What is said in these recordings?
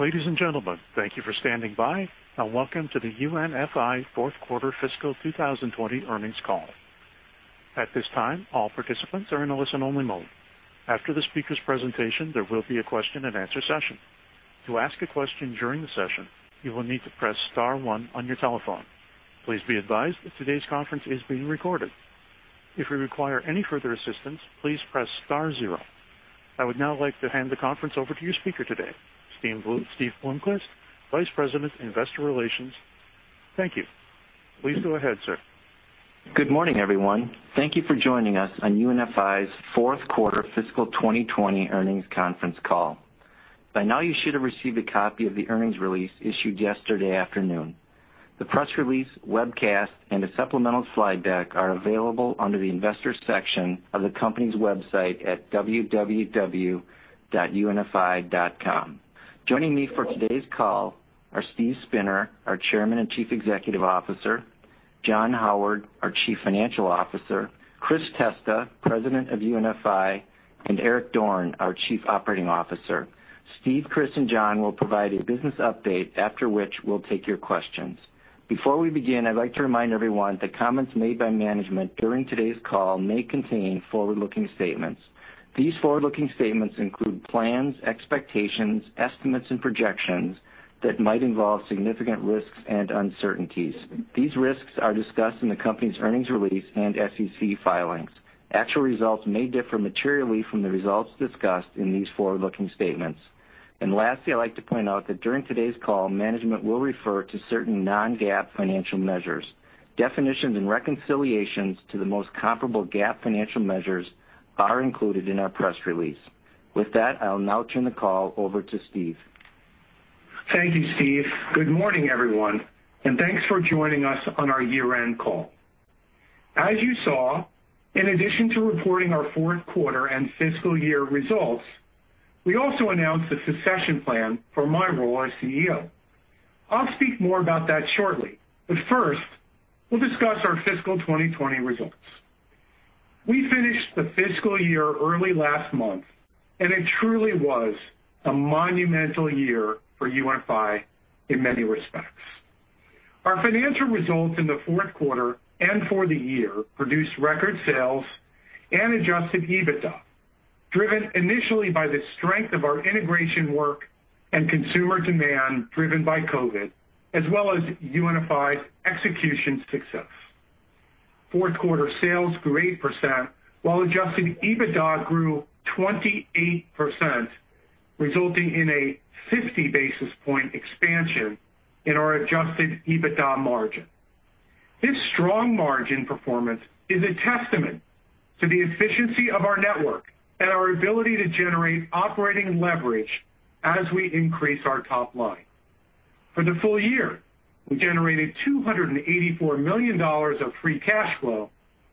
Ladies and gentlemen, thank you for standing by, and welcome to the UNFI Fourth Quarter Fiscal 2020 Earnings Call. At this time, all participants are in a listen-only mode. After the speaker's presentation, there will be a question-and-answer session. To ask a question during the session, you will need to press star one on your telephone. Please be advised that today's conference is being recorded. If you require any further assistance, please press star zero. I would now like to hand the conference over to your speaker today, Steve Bloomquist, Vice President, Investor Relations. Thank you. Please go ahead, sir. Good morning, everyone. Thank you for joining us on UNFI's Fourth Quarter Fiscal 2020 Earnings Conference Call. By now, you should have received a copy of the earnings release issued yesterday afternoon. The press release, webcast, and a supplemental slide deck are available under the investor section of the company's website at www.unfi.com. Joining me for today's call are Steve Spinner, our Chairman and Chief Executive Officer, John Howard, our Chief Financial Officer, Chris Testa, President of UNFI, and Eric Dorne, our Chief Operating Officer. Steve, Chris, and John will provide a business update, after which we'll take your questions. Before we begin, I'd like to remind everyone that comments made by management during today's call may contain forward-looking statements. These forward-looking statements include plans, expectations, estimates, and projections that might involve significant risks and uncertainties. These risks are discussed in the company's earnings release and SEC filings. Actual results may differ materially from the results discussed in these forward-looking statements. Lastly, I'd like to point out that during today's call, management will refer to certain non-GAAP financial measures. Definitions and reconciliations to the most comparable GAAP financial measures are included in our press release. With that, I'll now turn the call over to Steve. Thank you, Steve. Good morning, everyone, and thanks for joining us on our year-end call. As you saw, in addition to reporting our fourth quarter and fiscal year results, we also announced the succession plan for my role as CEO. I'll speak more about that shortly, but first, we'll discuss our fiscal 2020 results. We finished the fiscal year early last month, and it truly was a monumental year for UNFI in many respects. Our financial results in the fourth quarter and for the year produced record sales and adjusted EBITDA, driven initially by the strength of our integration work and consumer demand driven by COVID, as well as UNFI's execution success. Fourth quarter sales grew 8%, while adjusted EBITDA grew 28%, resulting in a 50 basis point expansion in our adjusted EBITDA margin. This strong margin performance is a testament to the efficiency of our network and our ability to generate operating leverage as we increase our top line. For the full year, we generated $284 million of free cash flow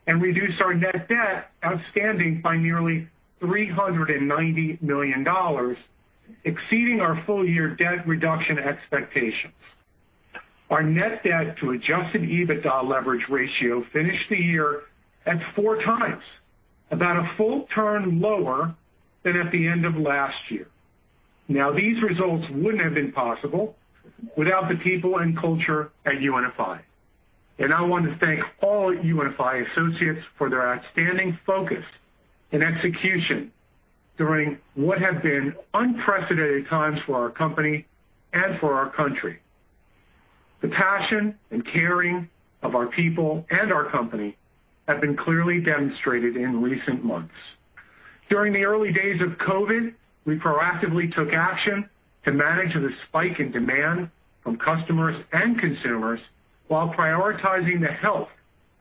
and reduced our net debt outstanding by nearly $390 million, exceeding our full-year debt reduction expectations. Our net debt to adjusted EBITDA leverage ratio finished the year at 4x, about a full turn lower than at the end of last year. These results would not have been possible without the people and culture at UNFI. I want to thank all UNFI associates for their outstanding focus and execution during what have been unprecedented times for our company and for our country. The passion and caring of our people and our company have been clearly demonstrated in recent months. During the early days of COVID, we proactively took action to manage the spike in demand from customers and consumers while prioritizing the health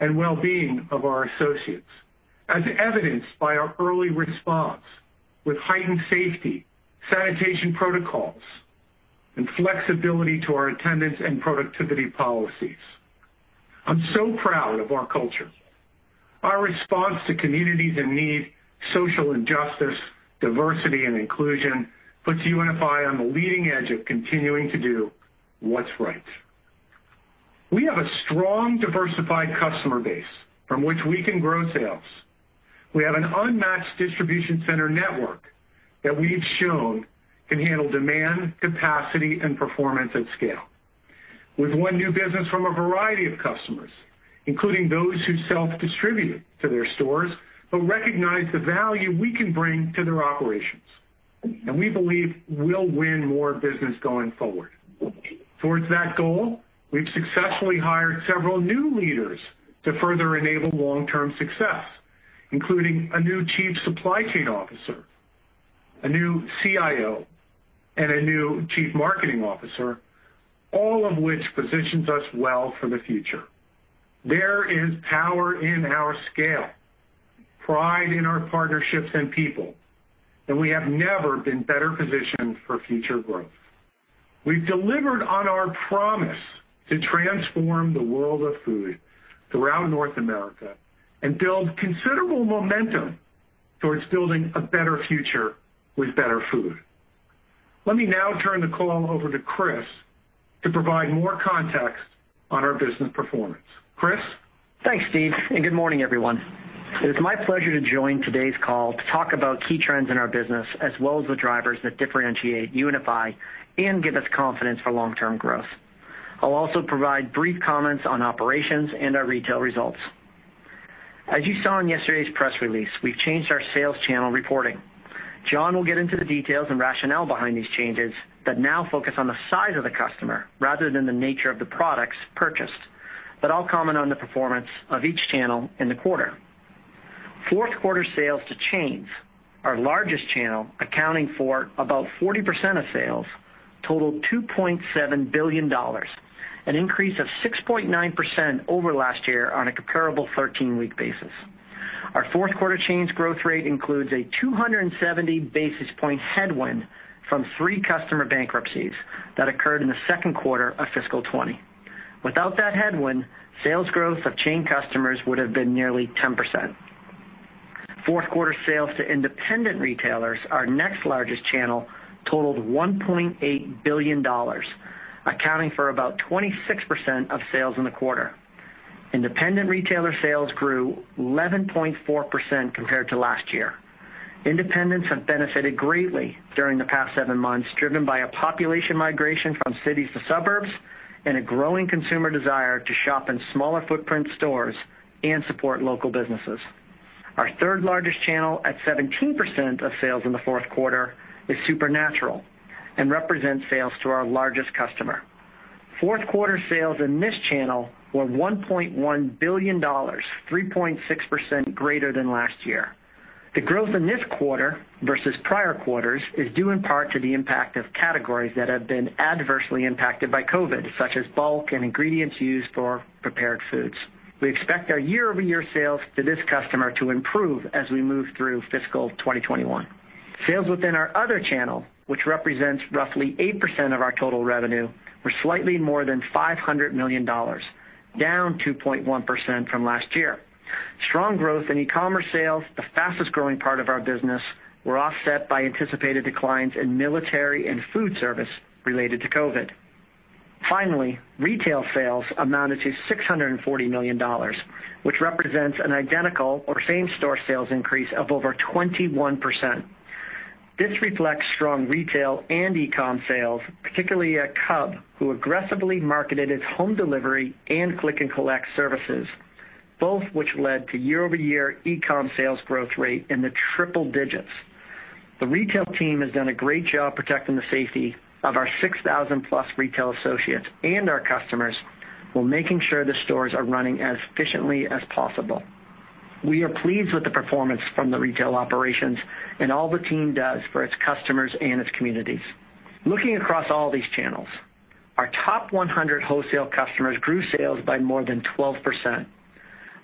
and well-being of our associates, as evidenced by our early response with heightened safety, sanitation protocols, and flexibility to our attendance and productivity policies. I'm so proud of our culture. Our response to communities in need, social injustice, diversity, and inclusion puts UNFI on the leading edge of continuing to do what's right. We have a strong, diversified customer base from which we can grow sales. We have an unmatched distribution center network that we've shown can handle demand, capacity, and performance at scale. We've won new business from a variety of customers, including those who self-distribute to their stores who recognize the value we can bring to their operations, and we believe we'll win more business going forward. Towards that goal, we've successfully hired several new leaders to further enable long-term success, including a new Chief Supply Chain Officer, a new CIO, and a new Chief Marketing Officer, all of which positions us well for the future. There is power in our scale, pride in our partnerships and people, and we have never been better positioned for future growth. We've delivered on our promise to transform the world of food throughout North America and build considerable momentum towards building a better future with better food. Let me now turn the call over to Chris to provide more context on our business performance. Chris. Thanks, Steve, and good morning, everyone. It is my pleasure to join today's call to talk about key trends in our business as well as the drivers that differentiate UNFI and give us confidence for long-term growth. I'll also provide brief comments on operations and our retail results. As you saw in yesterday's press release, we've changed our sales channel reporting. John will get into the details and rationale behind these changes that now focus on the size of the customer rather than the nature of the products purchased, but I'll comment on the performance of each channel in the quarter. Fourth quarter sales to chains, our largest channel, accounting for about 40% of sales, totaled $2.7 billion, an increase of 6.9% over last year on a comparable 13-week basis. Our fourth quarter chain's growth rate includes a 270 basis point headwind from three customer bankruptcies that occurred in the second quarter of fiscal 2020. Without that headwind, sales growth of chain customers would have been nearly 10%. Fourth quarter sales to independent retailers, our next largest channel, totaled $1.8 billion, accounting for about 26% of sales in the quarter. Independent retailer sales grew 11.4% compared to last year. Independents have benefited greatly during the past seven months, driven by a population migration from cities to suburbs and a growing consumer desire to shop in smaller footprint stores and support local businesses. Our third largest channel, at 17% of sales in the fourth quarter, is Supernatural and represents sales to our largest customer. Fourth quarter sales in this channel were $1.1 billion, 3.6% greater than last year. The growth in this quarter versus prior quarters is due in part to the impact of categories that have been adversely impacted by COVID, such as bulk and ingredients used for prepared foods. We expect our year-over-year sales to this customer to improve as we move through fiscal 2021. Sales within our other channel, which represents roughly 8% of our total revenue, were slightly more than $500 million, down 2.1% from last year. Strong growth in e-commerce sales, the fastest growing part of our business, were offset by anticipated declines in military and food service related to COVID. Finally, retail sales amounted to $640 million, which represents an identical or same-store sales increase of over 21%. This reflects strong retail and e-com sales, particularly at Cub, who aggressively marketed its home delivery and click-and-collect services, both of which led to year-over-year e-com sales growth rates in the triple digits. The retail team has done a great job protecting the safety of our 6,000+ retail associates and our customers while making sure the stores are running as efficiently as possible. We are pleased with the performance from the retail operations and all the team does for its customers and its communities. Looking across all these channels, our top 100 wholesale customers grew sales by more than 12%.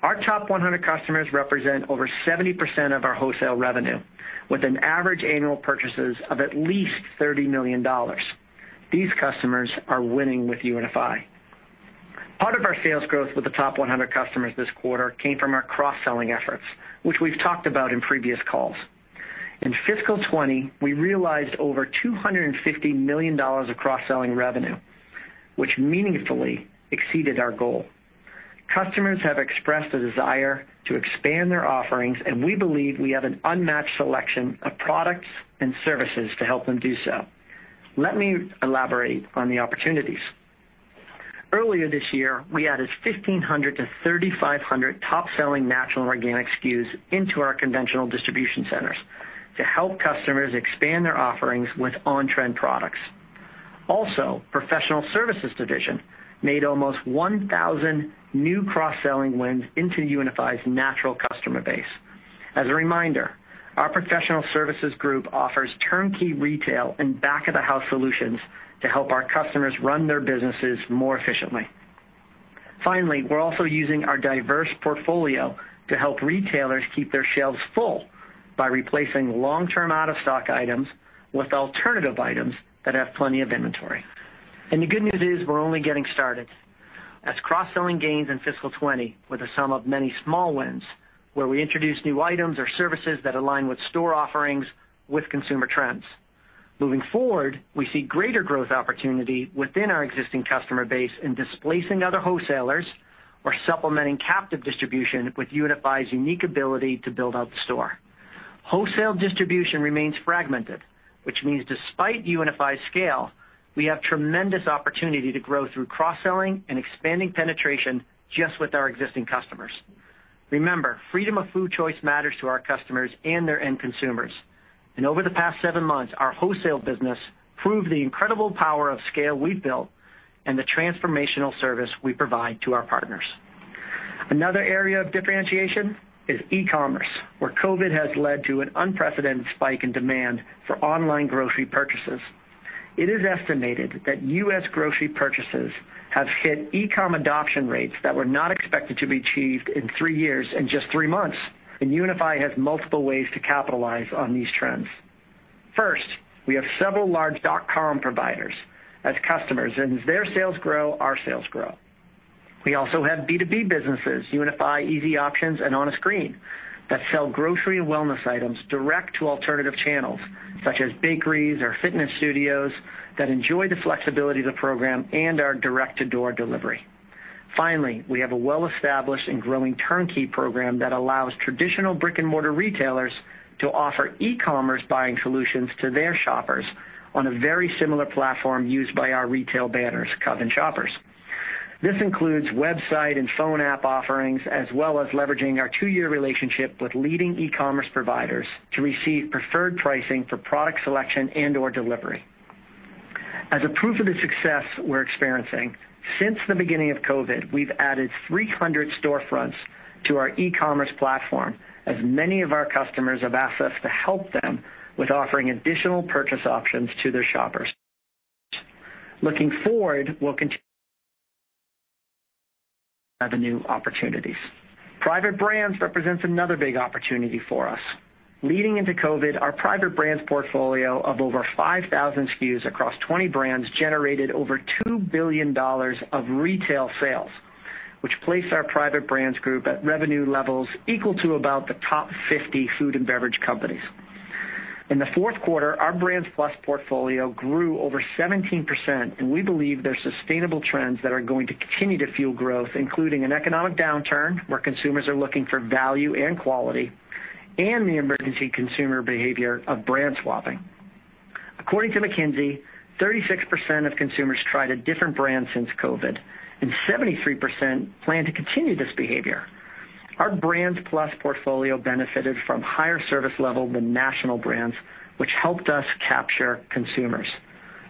Our top 100 customers represent over 70% of our wholesale revenue, with an average annual purchases of at least $30 million. These customers are winning with UNFI. Part of our sales growth with the top 100 customers this quarter came from our cross-selling efforts, which we've talked about in previous calls. In fiscal 2020, we realized over $250 million of cross-selling revenue, which meaningfully exceeded our goal. Customers have expressed a desire to expand their offerings, and we believe we have an unmatched selection of products and services to help them do so. Let me elaborate on the opportunities. Earlier this year, we added 1,500-3,500 top-selling natural and organic SKUs into our conventional distribution centers to help customers expand their offerings with on-trend products. Also, the professional services division made almost 1,000 new cross-selling wins into UNFI's natural customer base. As a reminder, our professional services group offers turnkey retail and back-of-the-house solutions to help our customers run their businesses more efficiently. Finally, we are also using our diverse portfolio to help retailers keep their shelves full by replacing long-term out-of-stock items with alternative items that have plenty of inventory. The good news is we are only getting started. As cross-selling gains in fiscal 2020, with a sum of many small wins, where we introduce new items or services that align with store offerings with consumer trends. Moving forward, we see greater growth opportunity within our existing customer base in displacing other wholesalers or supplementing captive distribution with UNFI's unique ability to build out the store. Wholesale distribution remains fragmented, which means despite UNFI's scale, we have tremendous opportunity to grow through cross-selling and expanding penetration just with our existing customers. Remember, freedom of food choice matters to our customers and their end consumers. Over the past seven months, our wholesale business proved the incredible power of scale we've built and the transformational service we provide to our partners. Another area of differentiation is e-commerce, where COVID has led to an unprecedented spike in demand for online grocery purchases. It is estimated that U.S. grocery purchases have hit e-com adoption rates that were not expected to be achieved in three years and just three months, and UNFI has multiple ways to capitalize on these trends. First, we have several large dot-com providers as customers, and as their sales grow, our sales grow. We also have B2B businesses, UNFI Easy Options and On a Screen, that sell grocery and wellness items direct to alternative channels such as bakeries or fitness studios that enjoy the flexibility of the program and our direct-to-door delivery. Finally, we have a well-established and growing turnkey program that allows traditional brick-and-mortar retailers to offer e-commerce buying solutions to their shoppers on a very similar platform used by our retail banners, Cub and Shoppers. This includes website and phone app offerings, as well as leveraging our two-year relationship with leading e-commerce providers to receive preferred pricing for product selection and/or delivery. As a proof of the success we're experiencing, since the beginning of COVID, we've added 300 storefronts to our e-commerce platform, as many of our customers have asked us to help them with offering additional purchase options to their shoppers. Looking forward, we'll continue to see revenue opportunities. Private brands represent another big opportunity for us. Leading into COVID, our private brands portfolio of over 5,000 SKUs across 20 brands generated over $2 billion of retail sales, which placed our private brands group at revenue levels equal to about the top 50 food and beverage companies. In the fourth quarter, our Brands+ portfolio grew over 17%, and we believe there are sustainable trends that are going to continue to fuel growth, including an economic downturn where consumers are looking for value and quality and the emergency consumer behavior of brand swapping. According to McKinsey, 36% of consumers tried a different brand since COVID, and 73% plan to continue this behavior. Our Brands+ portfolio benefited from higher service level than national brands, which helped us capture consumers.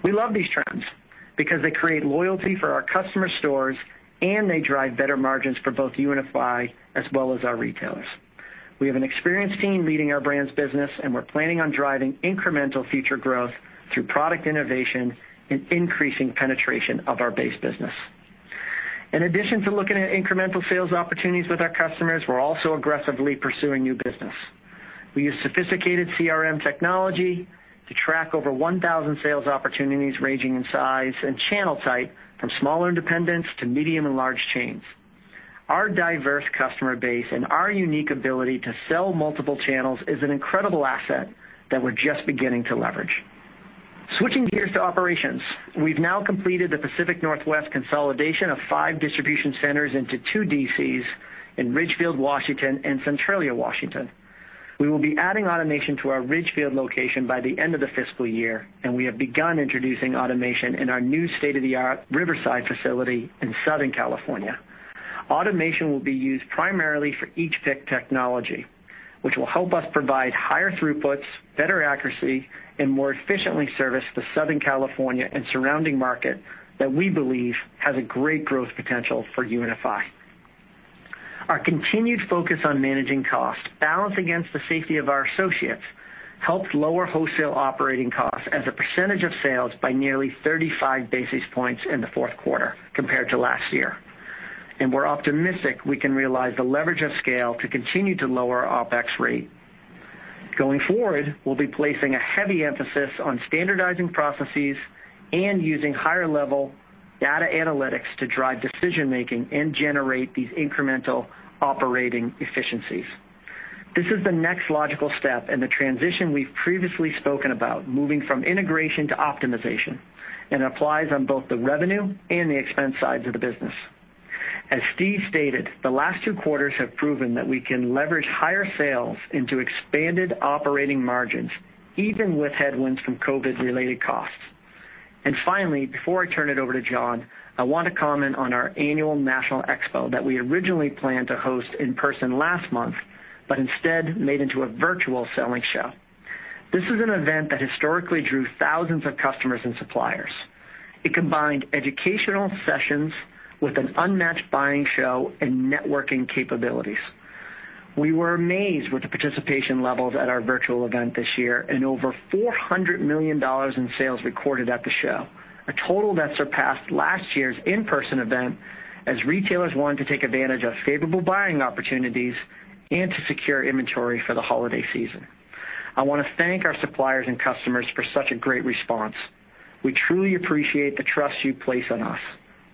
We love these trends because they create loyalty for our customer stores, and they drive better margins for both UNFI as well as our retailers. We have an experienced team leading our brands business, and we're planning on driving incremental future growth through product innovation and increasing penetration of our base business. In addition to looking at incremental sales opportunities with our customers, we're also aggressively pursuing new business. We use sophisticated CRM technology to track over 1,000 sales opportunities ranging in size and channel type from smaller independents to medium and large chains. Our diverse customer base and our unique ability to sell multiple channels is an incredible asset that we're just beginning to leverage. Switching gears to operations, we've now completed the Pacific Northwest consolidation of five distribution centers into two DCs in Ridgefield, Washington, and Centralia, Washington. We will be adding automation to our Ridgefield location by the end of the fiscal year, and we have begun introducing automation in our new state-of-the-art Riverside facility in Southern California. Automation will be used primarily for HPEC technology, which will help us provide higher throughputs, better accuracy, and more efficiently service the Southern California and surrounding market that we believe has a great growth potential for UNFI. Our continued focus on managing cost, balanced against the safety of our associates, helped lower wholesale operating costs as a percentage of sales by nearly 35 basis points in the fourth quarter compared to last year. We're optimistic we can realize the leverage of scale to continue to lower our OPEX rate. Going forward, we'll be placing a heavy emphasis on standardizing processes and using higher-level data analytics to drive decision-making and generate these incremental operating efficiencies. This is the next logical step in the transition we've previously spoken about, moving from integration to optimization, and it applies on both the revenue and the expense sides of the business. As Steve stated, the last two quarters have proven that we can leverage higher sales into expanded operating margins, even with headwinds from COVID-related costs. Finally, before I turn it over to John, I want to comment on our annual National Expo that we originally planned to host in person last month, but instead made into a virtual selling show. This is an event that historically drew thousands of customers and suppliers. It combined educational sessions with an unmatched buying show and networking capabilities. We were amazed with the participation levels at our virtual event this year and over $400 million in sales recorded at the show, a total that surpassed last year's in-person event as retailers wanted to take advantage of favorable buying opportunities and to secure inventory for the holiday season. I want to thank our suppliers and customers for such a great response. We truly appreciate the trust you place on us.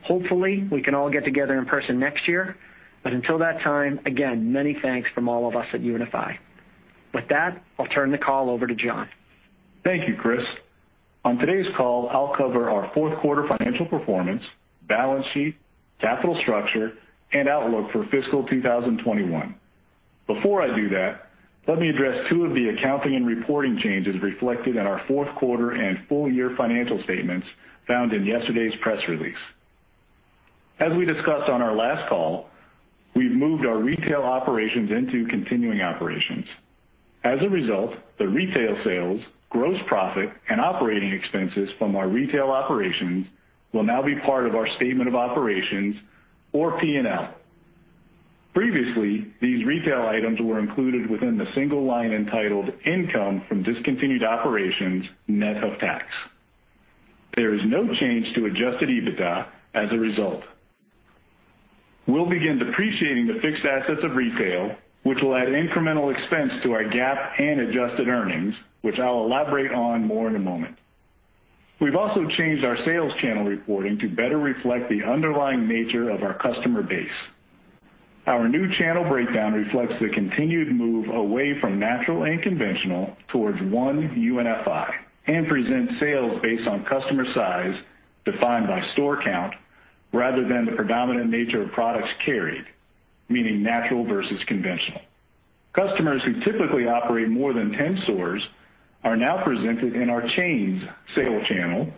Hopefully, we can all get together in person next year, but until that time, again, many thanks from all of us at UNFI. With that, I'll turn the call over to John. Thank you, Chris. On today's call, I'll cover our fourth quarter financial performance, balance sheet, capital structure, and outlook for fiscal 2021. Before I do that, let me address two of the accounting and reporting changes reflected in our fourth quarter and full-year financial statements found in yesterday's press release. As we discussed on our last call, we've moved our retail operations into continuing operations. As a result, the retail sales, gross profit, and operating expenses from our retail operations will now be part of our statement of operations or P&L. Previously, these retail items were included within the single line entitled Income from Discontinued Operations Net of Tax. There is no change to adjusted EBITDA as a result. We'll begin depreciating the fixed assets of retail, which will add incremental expense to our GAAP and adjusted earnings, which I'll elaborate on more in a moment. We've also changed our sales channel reporting to better reflect the underlying nature of our customer base. Our new channel breakdown reflects the continued move away from natural and conventional towards one UNFI and presents sales based on customer size defined by store count rather than the predominant nature of products carried, meaning natural versus conventional. Customers who typically operate more than 10 stores are now presented in our chain's sale channel,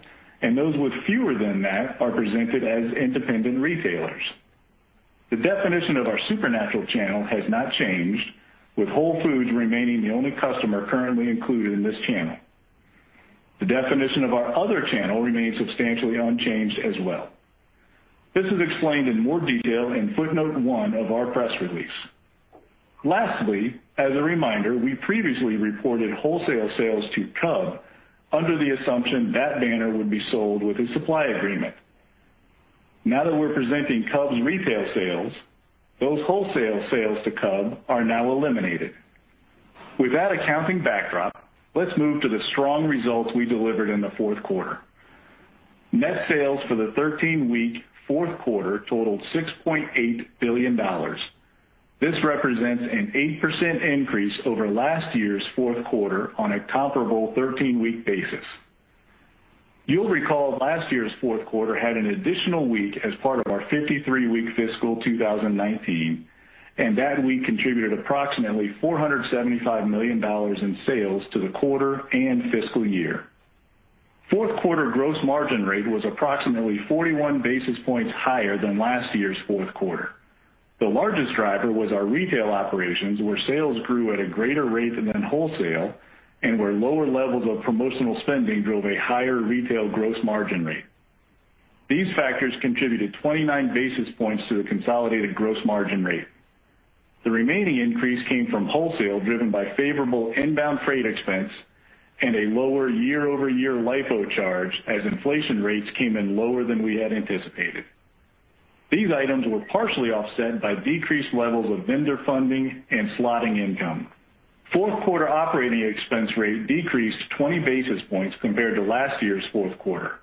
and those with fewer than that are presented as independent retailers. The definition of our supernatural channel has not changed, with Whole Foods remaining the only customer currently included in this channel. The definition of our other channel remains substantially unchanged as well. This is explained in more detail in footnote one of our press release. Lastly, as a reminder, we previously reported wholesale sales to Cub under the assumption that banner would be sold with a supply agreement. Now that we're presenting Cub's retail sales, those wholesale sales to Cub are now eliminated. With that accounting backdrop, let's move to the strong results we delivered in the fourth quarter. Net sales for the 13-week fourth quarter totaled $6.8 billion. This represents an 8% increase over last year's fourth quarter on a comparable 13-week basis. You'll recall last year's fourth quarter had an additional week as part of our 53-week fiscal 2019, and that week contributed approximately $475 million in sales to the quarter and fiscal year. Fourth quarter gross margin rate was approximately 41 basis points higher than last year's fourth quarter. The largest driver was our retail operations, where sales grew at a greater rate than wholesale and where lower levels of promotional spending drove a higher retail gross margin rate. These factors contributed 29 basis points to the consolidated gross margin rate. The remaining increase came from wholesale driven by favorable inbound freight expense and a lower year-over-year LIFO charge as inflation rates came in lower than we had anticipated. These items were partially offset by decreased levels of vendor funding and slotting income. Fourth quarter operating expense rate decreased 20 basis points compared to last year's fourth quarter.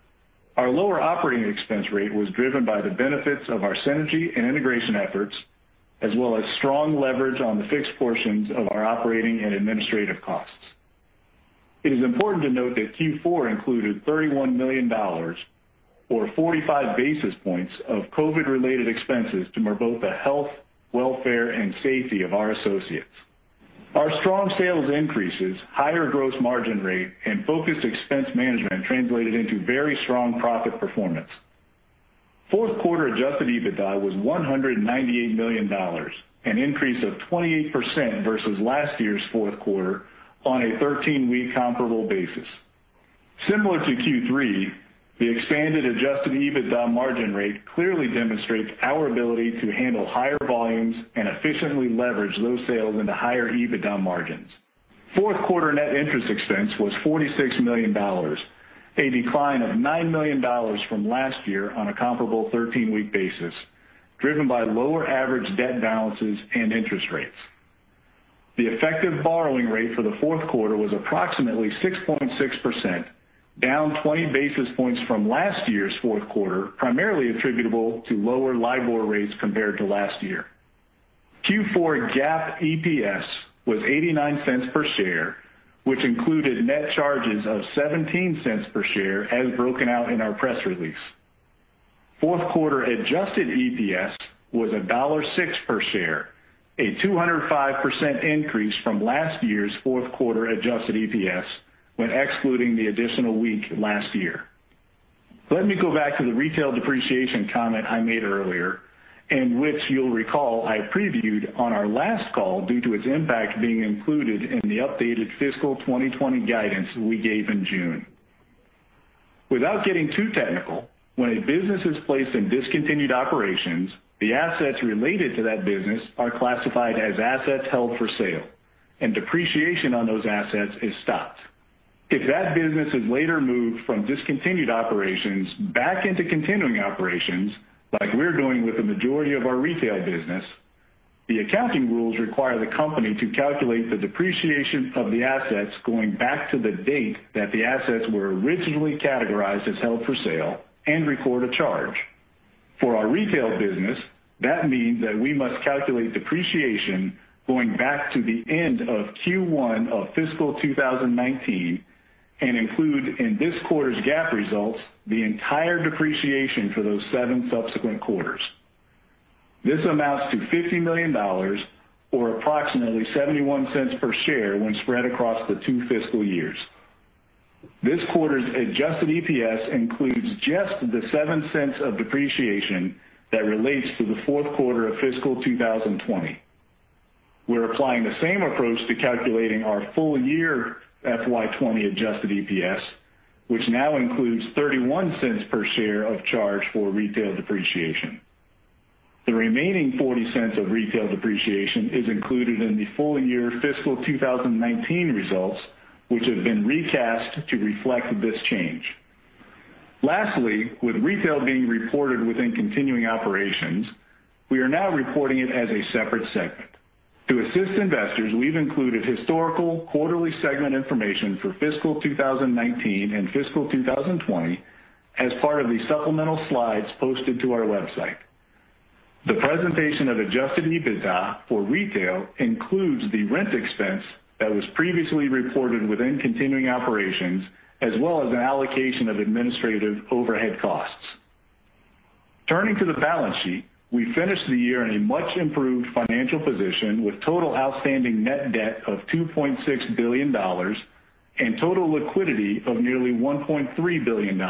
Our lower operating expense rate was driven by the benefits of our synergy and integration efforts, as well as strong leverage on the fixed portions of our operating and administrative costs. It is important to note that Q4 included $31 million, or 45 basis points, of COVID-related expenses to promote the health, welfare, and safety of our associates. Our strong sales increases, higher gross margin rate, and focused expense management translated into very strong profit performance. Fourth quarter adjusted EBITDA was $198 million, an increase of 28% versus last year's fourth quarter on a 13-week comparable basis. Similar to Q3, the expanded adjusted EBITDA margin rate clearly demonstrates our ability to handle higher volumes and efficiently leverage those sales into higher EBITDA margins. Fourth quarter net interest expense was $46 million, a decline of $9 million from last year on a comparable 13-week basis, driven by lower average debt balances and interest rates. The effective borrowing rate for the fourth quarter was approximately 6.6%, down 20 basis points from last year's fourth quarter, primarily attributable to lower LIFO rates compared to last year. Q4 GAAP EPS was $0.89 per share, which included net charges of $0.17 per share as broken out in our press release. Fourth quarter adjusted EPS was $1.06 per share, a 205% increase from last year's fourth quarter adjusted EPS when excluding the additional week last year. Let me go back to the retail depreciation comment I made earlier, in which you'll recall I previewed on our last call due to its impact being included in the updated fiscal 2020 guidance we gave in June. Without getting too technical, when a business is placed in discontinued operations, the assets related to that business are classified as assets held for sale, and depreciation on those assets is stopped. If that business is later moved from discontinued operations back into continuing operations, like we're doing with the majority of our retail business, the accounting rules require the company to calculate the depreciation of the assets going back to the date that the assets were originally categorized as held for sale and record a charge. For our retail business, that means that we must calculate depreciation going back to the end of Q1 of fiscal 2019 and include in this quarter's GAAP results the entire depreciation for those seven subsequent quarters. This amounts to $50 million, or approximately $0.71 per share when spread across the two fiscal years. This quarter's adjusted EPS includes just the $0.07 of depreciation that relates to the fourth quarter of fiscal 2020. We're applying the same approach to calculating our full-year FY20 adjusted EPS, which now includes $0.31 per share of charge for retail depreciation. The remaining $0.40 of retail depreciation is included in the full-year fiscal 2019 results, which have been recast to reflect this change. Lastly, with retail being reported within continuing operations, we are now reporting it as a separate segment. To assist investors, we've included historical quarterly segment information for fiscal 2019 and fiscal 2020 as part of the supplemental slides posted to our website. The presentation of adjusted EBITDA for retail includes the rent expense that was previously reported within continuing operations, as well as an allocation of administrative overhead costs. Turning to the balance sheet, we finished the year in a much-improved financial position with total outstanding net debt of $2.6 billion and total liquidity of nearly $1.3 billion.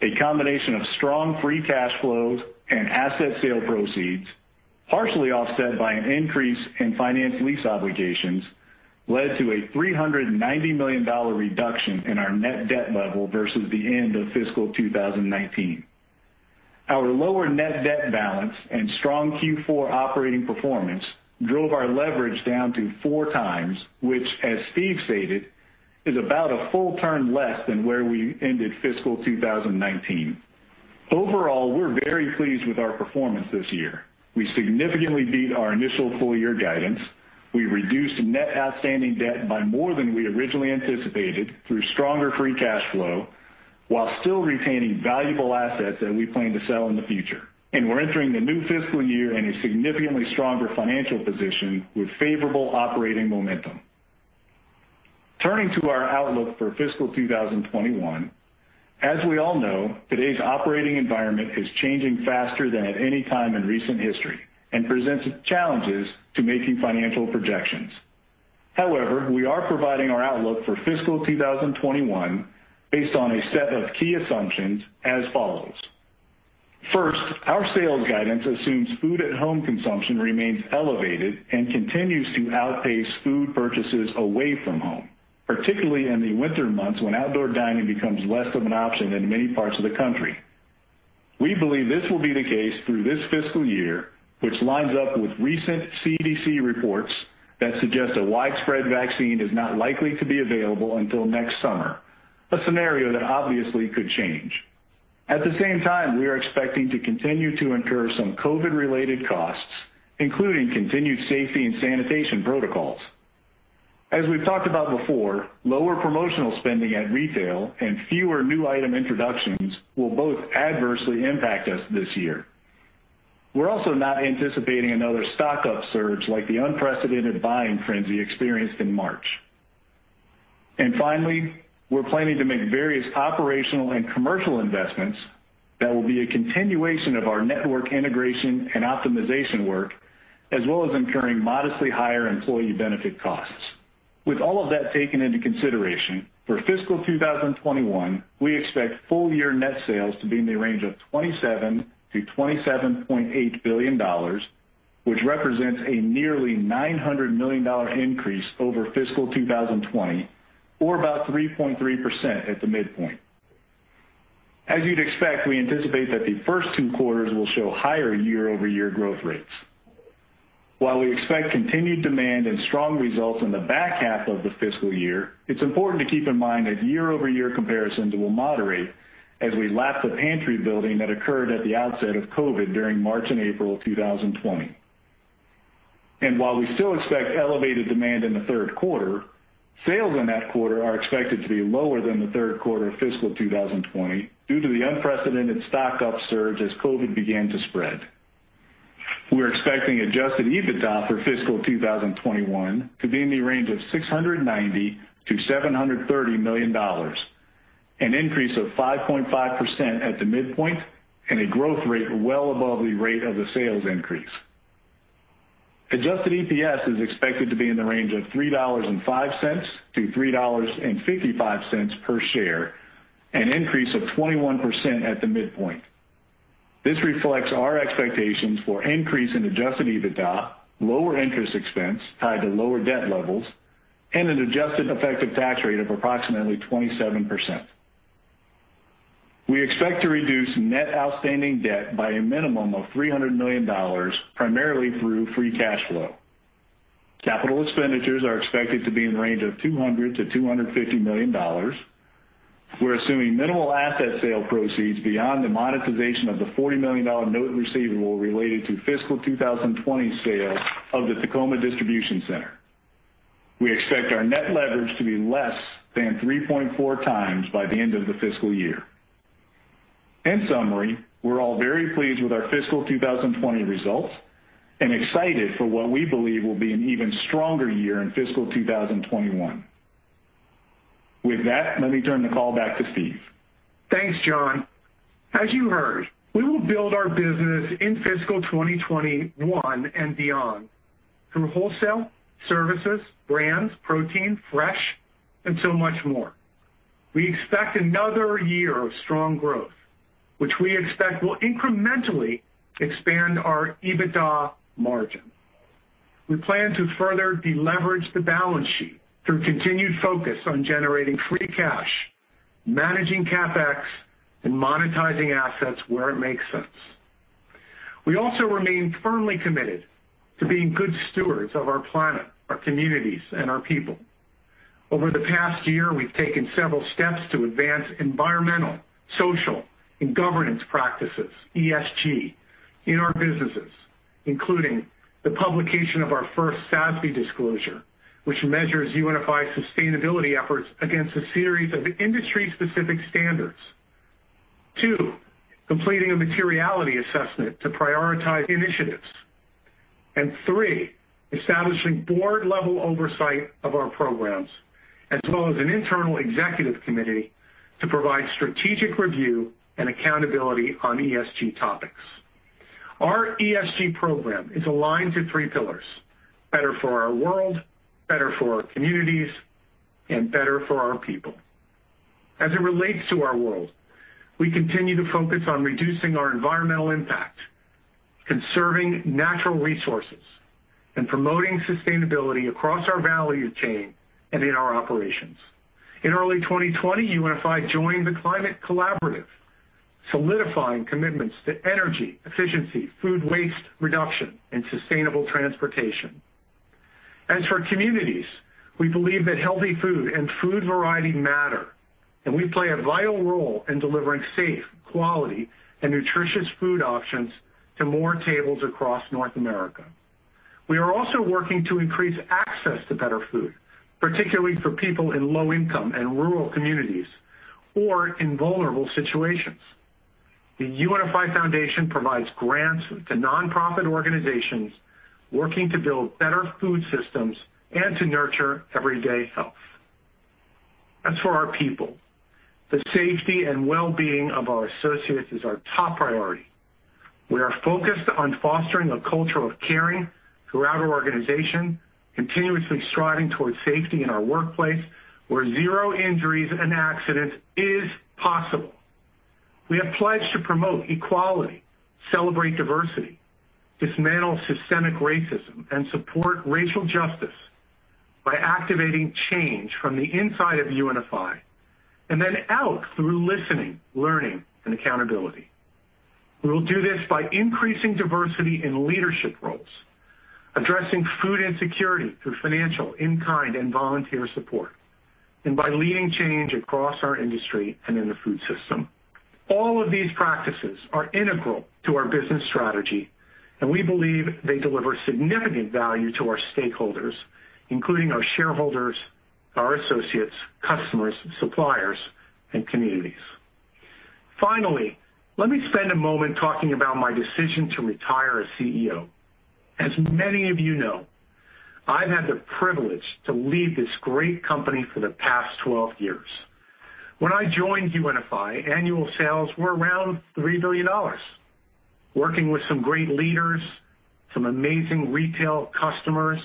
A combination of strong free cash flows and asset sale proceeds, partially offset by an increase in financed lease obligations, led to a $390 million reduction in our net debt level versus the end of fiscal 2019. Our lower net debt balance and strong Q4 operating performance drove our leverage down to 4x, which, as Steve stated, is about a full turn less than where we ended fiscal 2019. Overall, we're very pleased with our performance this year. We significantly beat our initial full-year guidance. We reduced net outstanding debt by more than we originally anticipated through stronger free cash flow, while still retaining valuable assets that we plan to sell in the future. We're entering the new fiscal year in a significantly stronger financial position with favorable operating momentum. Turning to our outlook for fiscal 2021, as we all know, today's operating environment is changing faster than at any time in recent history and presents challenges to making financial projections. However, we are providing our outlook for fiscal 2021 based on a set of key assumptions as follows. First, our sales guidance assumes food-at-home consumption remains elevated and continues to outpace food purchases away from home, particularly in the winter months when outdoor dining becomes less of an option in many parts of the country. We believe this will be the case through this fiscal year, which lines up with recent CDC reports that suggest a widespread vaccine is not likely to be available until next summer, a scenario that obviously could change. At the same time, we are expecting to continue to incur some COVID-related costs, including continued safety and sanitation protocols. As we've talked about before, lower promotional spending at retail and fewer new item introductions will both adversely impact us this year. We're also not anticipating another stock-up surge like the unprecedented buying frenzy experienced in March. Finally, we're planning to make various operational and commercial investments that will be a continuation of our network integration and optimization work, as well as incurring modestly higher employee benefit costs. With all of that taken into consideration, for fiscal 2021, we expect full-year net sales to be in the range of $27 billion-$27.8 billion, which represents a nearly $900 million increase over fiscal 2020, or about 3.3% at the midpoint. As you'd expect, we anticipate that the first two quarters will show higher year-over-year growth rates. While we expect continued demand and strong results in the back half of the fiscal year, it's important to keep in mind that year-over-year comparisons will moderate as we lap the pantry building that occurred at the outset of COVID during March and April of 2020. While we still expect elevated demand in the third quarter, sales in that quarter are expected to be lower than the third quarter of fiscal 2020 due to the unprecedented stock-up surge as COVID began to spread. We are expecting adjusted EBITDA for fiscal 2021 to be in the range of $690 million-$730 million, an increase of 5.5% at the midpoint, and a growth rate well above the rate of the sales increase. Adjusted EPS is expected to be in the range of $3.05-$3.55 per share, an increase of 21% at the midpoint. This reflects our expectations for increase in adjusted EBITDA, lower interest expense tied to lower debt levels, and an adjusted effective tax rate of approximately 27%. We expect to reduce net outstanding debt by a minimum of $300 million, primarily through free cash flow. Capital expenditures are expected to be in the range of $200 million-$250 million. We're assuming minimal asset sale proceeds beyond the monetization of the $40 million note receivable related to the fiscal 2020 sale of the Tacoma Distribution Center. We expect our net leverage to be less than 3.4x by the end of the fiscal year. In summary, we're all very pleased with our fiscal 2020 results and excited for what we believe will be an even stronger year in fiscal 2021. With that, let me turn the call back to Steve. Thanks, John. As you heard, we will build our business in fiscal 2021 and beyond through wholesale, services, brands, protein, fresh, and so much more. We expect another year of strong growth, which we expect will incrementally expand our EBITDA margin. We plan to further deleverage the balance sheet through continued focus on generating free cash, managing CapEx, and monetizing assets where it makes sense. We also remain firmly committed to being good stewards of our planet, our communities, and our people. Over the past year, we've taken several steps to advance environmental, social, and governance practices, ESG, in our businesses, including the publication of our first SASB disclosure, which measures UNFI's sustainability efforts against a series of industry-specific standards, two, completing a materiality assessment to prioritize initiatives, and three, establishing board-level oversight of our programs, as well as an internal executive committee to provide strategic review and accountability on ESG topics. Our ESG program is aligned to three pillars: better for our world, better for our communities, and better for our people. As it relates to our world, we continue to focus on reducing our environmental impact, conserving natural resources, and promoting sustainability across our value chain and in our operations. In early 2020, UNFI joined the Climate Collaborative, solidifying commitments to energy, efficiency, food waste reduction, and sustainable transportation. As for communities, we believe that healthy food and food variety matter, and we play a vital role in delivering safe, quality, and nutritious food options to more tables across North America. We are also working to increase access to better food, particularly for people in low-income and rural communities or in vulnerable situations. The UNFI Foundation provides grants to nonprofit organizations working to build better food systems and to nurture everyday health. As for our people, the safety and well-being of our associates is our top priority. We are focused on fostering a culture of caring throughout our organization, continuously striving towards safety in our workplace where zero injuries and accidents is possible. We have pledged to promote equality, celebrate diversity, dismantle systemic racism, and support racial justice by activating change from the inside of UNFI and then out through listening, learning, and accountability. We will do this by increasing diversity in leadership roles, addressing food insecurity through financial, in-kind, and volunteer support, and by leading change across our industry and in the food system. All of these practices are integral to our business strategy, and we believe they deliver significant value to our stakeholders, including our shareholders, our associates, customers, suppliers, and communities. Finally, let me spend a moment talking about my decision to retire as CEO. As many of you know, I've had the privilege to lead this great company for the past 12 years. When I joined UNFI, annual sales were around $3 billion. Working with some great leaders, some amazing retail customers,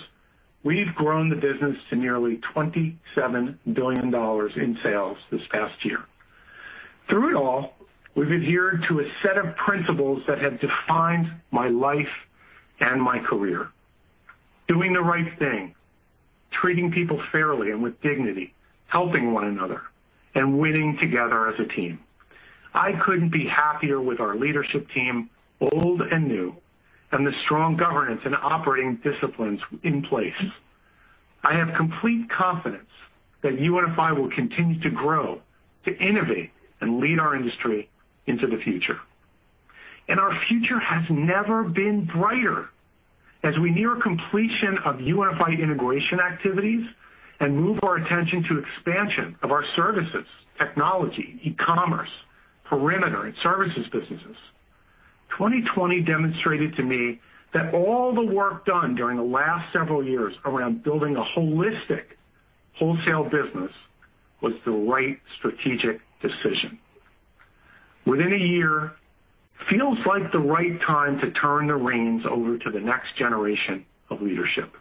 we've grown the business to nearly $27 billion in sales this past year. Through it all, we've adhered to a set of principles that have defined my life and my career: doing the right thing, treating people fairly and with dignity, helping one another, and winning together as a team. I couldn't be happier with our leadership team, old and new, and the strong governance and operating disciplines in place. I have complete confidence that UNFI will continue to grow, to innovate, and lead our industry into the future. Our future has never been brighter. As we near completion of UNFI integration activities and move our attention to expansion of our services, technology, e-commerce, perimeter, and services businesses, 2020 demonstrated to me that all the work done during the last several years around building a holistic wholesale business was the right strategic decision. Within a year, it feels like the right time to turn the reins over to the next generation of leadership.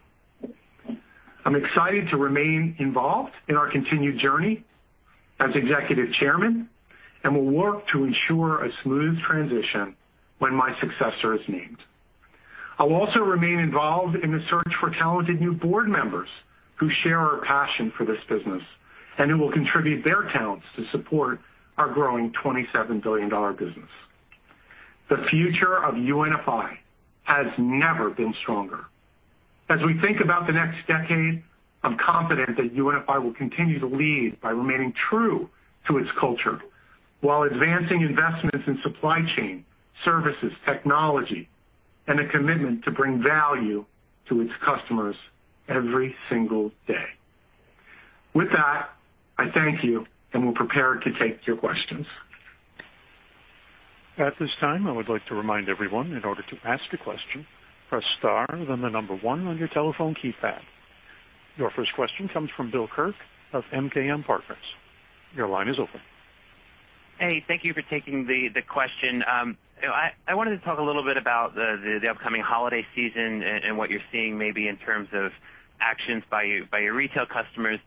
I'm excited to remain involved in our continued journey as Executive Chairman and will work to ensure a smooth transition when my successor is named. I'll also remain involved in the search for talented new board members who share our passion for this business and who will contribute their talents to support our growing $27 billion business. The future of UNFI has never been stronger. As we think about the next decade, I'm confident that UNFI will continue to lead by remaining true to its culture while advancing investments in supply chain, services, technology, and a commitment to bring value to its customers every single day. With that, I thank you and will prepare to take your questions. At this time, I would like to remind everyone in order to ask a question, press star and then the number one on your telephone keypad. Your first question comes from Bill Kirk of MKM Partners. Your line is open. Hey, thank you for taking the question. I wanted to talk a little bit about the upcoming holiday season and what you're seeing maybe in terms of actions by your retail customers.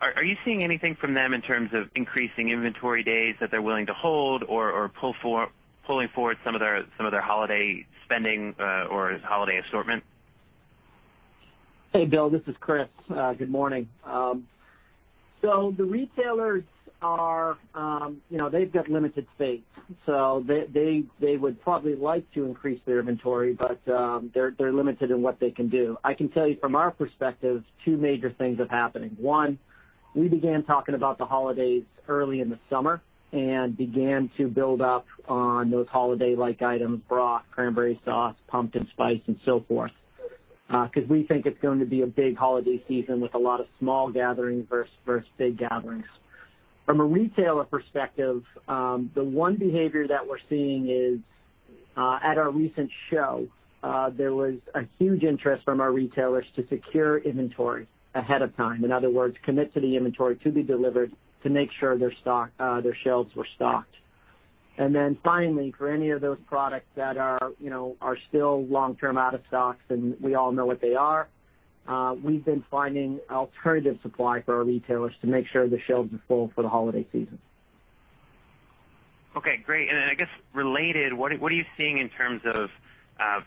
Are you seeing anything from them in terms of increasing inventory days that they're willing to hold or pulling forward some of their holiday spending or holiday assortment? Hey, Bill, this is Chris. Good morning. The retailers are, you know, they've got limited space. They would probably like to increase their inventory, but they're limited in what they can do. I can tell you from our perspective, two major things are happening. One, we began talking about the holidays early in the summer and began to build up on those holiday-like items: broth, cranberry sauce, pumpkin spice, and so forth, because we think it's going to be a big holiday season with a lot of small gatherings versus big gatherings. From a retailer perspective, the one behavior that we're seeing is at our recent show, there was a huge interest from our retailers to secure inventory ahead of time. In other words, commit to the inventory to be delivered to make sure their shelves were stocked. Finally, for any of those products that are still long-term out of stock, and we all know what they are, we've been finding alternative supply for our retailers to make sure the shelves are full for the holiday season. Okay, great. I guess related, what are you seeing in terms of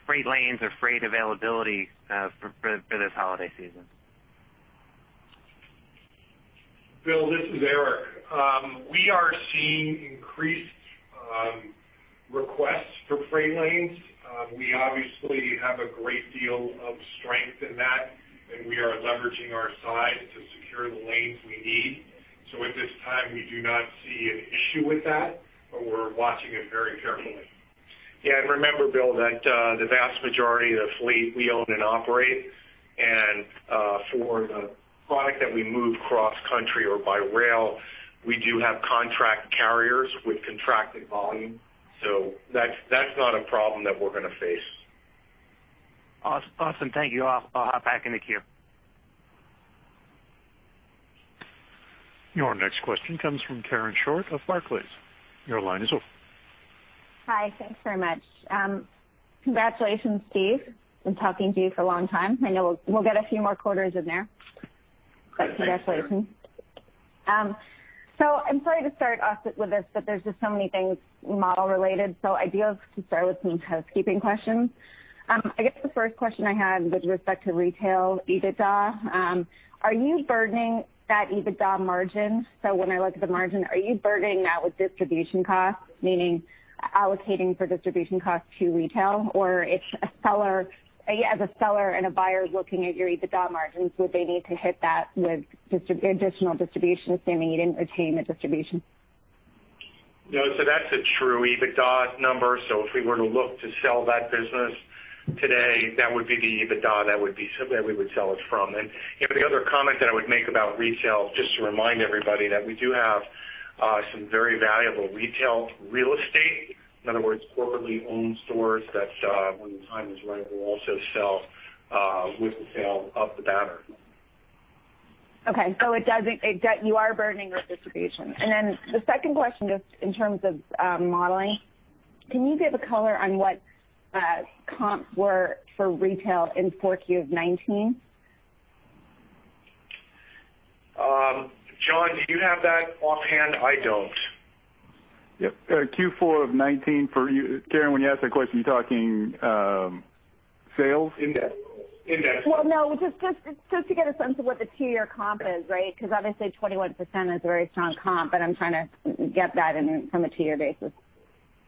freight lanes or freight availability for this holiday season? Bill, this is Eric. We are seeing increased requests for freight lanes. We obviously have a great deal of strength in that, and we are leveraging our size to secure the lanes we need. At this time, we do not see an issue with that, but we're watching it very carefully. Yeah, and remember, Bill, that the vast majority of the fleet we own and operate, and for the product that we move cross-country or by rail, we do have contract carriers with contracted volume. That's not a problem that we're going to face. Awesome. Thank you. I'll hop back in the queue. Your next question comes from Karen Short of Barclays. Your line is open. Hi, thanks very much. Congratulations, Steve. I've been talking to you for a long time. I know we'll get a few more quarters in there. Congratulations. I'm sorry to start off with this, but there's just so many things model-related. I do have to start with some housekeeping questions. I guess the first question I have with respect to retail EBITDA, are you burdening that EBITDA margin? When I look at the margin, are you burdening that with distribution costs, meaning allocating for distribution costs to retail, or if a seller and a buyer are looking at your EBITDA margins, would they need to hit that with additional distribution assuming you did not retain the distribution? No, that is a true EBITDA number. If we were to look to sell that business today, that would be the EBITDA that we would sell it from. The other comment that I would make about retail, just to remind everybody, is that we do have some very valuable retail real estate. In other words, corporately owned stores that, when the time is right, will also sell with the sale of the banner. Okay. You are burdening with distribution. Then the second question, just in terms of modeling, can you give a color on what comps were for retail in Q4 of 2019? John, do you have that offhand? I do not. Yep. Q4 of 2019, for Karen, when you asked that question, you are talking sales? Index. Index. No, just to get a sense of what the two-year comp is, right? Because obviously, 21% is a very strong comp, but I am trying to get that from a two-year basis.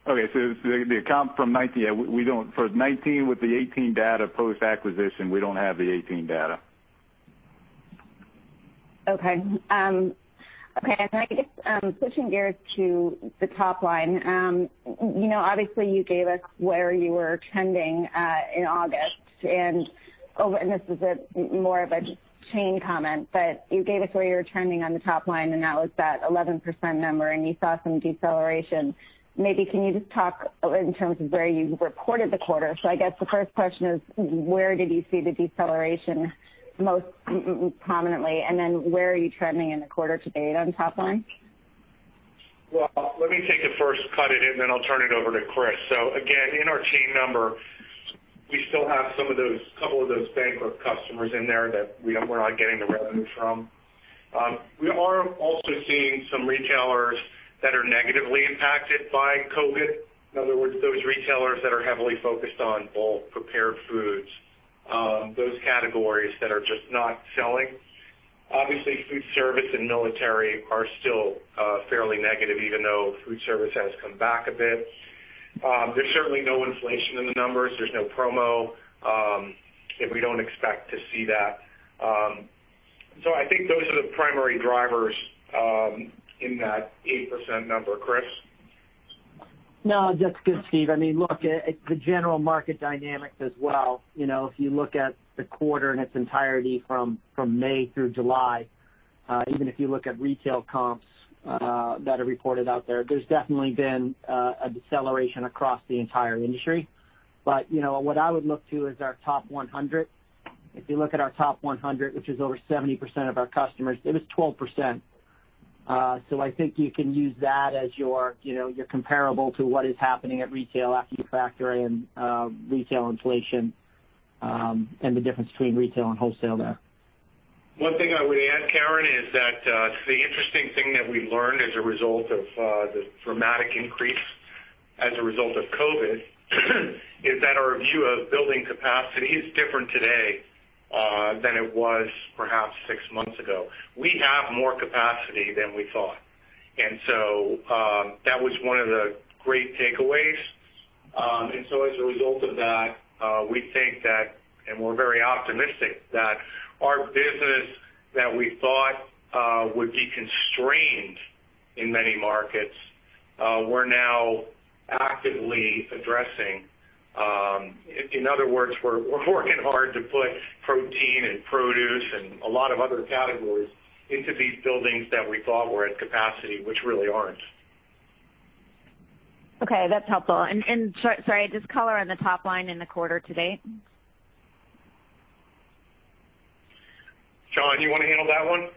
Okay. The comp from 2019, for 2019 with the 2018 data post-acquisition, we do not have the 2018 data. Okay. Okay. I guess switching gears to the top line, obviously, you gave us where you were trending in August. This is more of a chain comment, but you gave us where you were trending on the top line, and that was that 11% number, and you saw some deceleration. Maybe can you just talk in terms of where you reported the quarter? I guess the first question is, where did you see the deceleration most prominently, and then where are you trending in the quarter to date on top line? Let me take the first cut of it, and then I'll turn it over to Chris. Again, in our chain number, we still have a couple of those bankrupt customers in there that we're not getting the revenue from. We are also seeing some retailers that are negatively impacted by COVID. In other words, those retailers that are heavily focused on bulk prepared foods, those categories that are just not selling. Obviously, food service and military are still fairly negative, even though food service has come back a bit. There's certainly no inflation in the numbers. There's no promo. We don't expect to see that. I think those are the primary drivers in that 8% number, Chris. No, that's good, Steve. I mean, look, the general market dynamics as well. If you look at the quarter in its entirety from May through July, even if you look at retail comps that are reported out there, there's definitely been a deceleration across the entire industry. What I would look to is our top 100. If you look at our top 100, which is over 70% of our customers, it was 12%. I think you can use that as your comparable to what is happening at retail after you factor in retail inflation and the difference between retail and wholesale there. One thing I would add, Karen, is that the interesting thing that we've learned as a result of the dramatic increase as a result of COVID is that our view of building capacity is different today than it was perhaps six months ago. We have more capacity than we thought. That was one of the great takeaways. As a result of that, we think that, and we're very optimistic, that our business that we thought would be constrained in many markets, we're now actively addressing. In other words, we're working hard to put protein and produce and a lot of other categories into these buildings that we thought were at capacity, which really aren't. Okay. That's helpful. Sorry, just color on the top line in the quarter to date. John, you want to handle that one?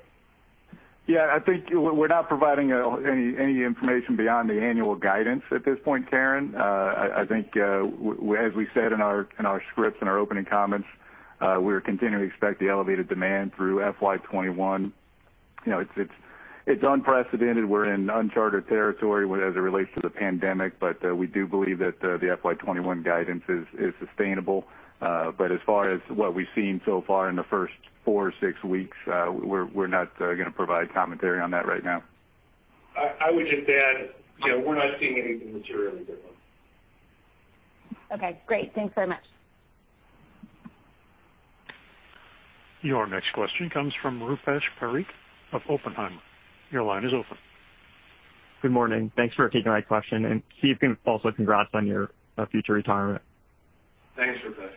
Yeah. I think we're not providing any information beyond the annual guidance at this point, Karen. I think, as we said in our scripts and our opening comments, we're continuing to expect the elevated demand through FY 2021. It's unprecedented. We're in uncharted territory as it relates to the pandemic, but we do believe that the FY 2021 guidance is sustainable. As far as what we've seen so far in the first four or six weeks, we're not going to provide commentary on that right now. I would just add we're not seeing anything materially different. Okay. Great. Thanks very much. Your next question comes from Rupesh Parikh of Oppenheimer. Your line is open. Good morning. Thanks for taking my question. Steve, also congrats on your future retirement. Thanks, Rupesh.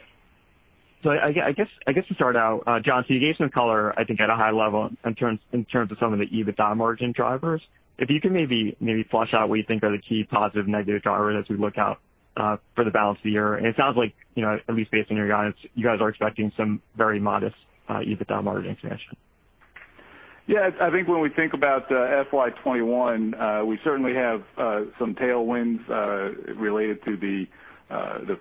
I guess to start out, John, you gave some color, I think, at a high level in terms of some of the EBITDA margin drivers. If you can maybe flesh out what you think are the key positive and negative drivers as we look out for the balance of the year. It sounds like, at least based on your guidance, you guys are expecting some very modest EBITDA margin expansion. Yeah. I think when we think about FY 2021, we certainly have some tailwinds related to the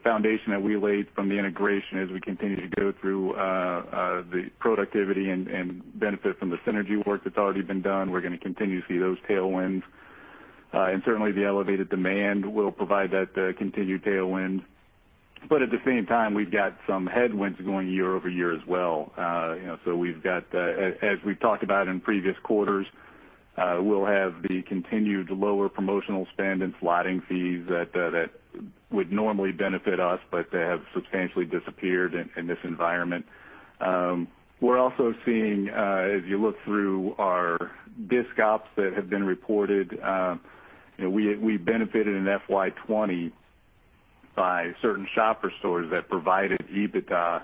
foundation that we laid from the integration as we continue to go through the productivity and benefit from the synergy work that's already been done. We're going to continue to see those tailwinds. Certainly, the elevated demand will provide that continued tailwind. At the same time, we've got some headwinds going year-over-year as well. We have, as we have talked about in previous quarters, the continued lower promotional spend and sliding fees that would normally benefit us, but they have substantially disappeared in this environment. We are also seeing, as you look through our discounts that have been reported, we benefited in FY 2020 by certain shopper stores that provided EBITDA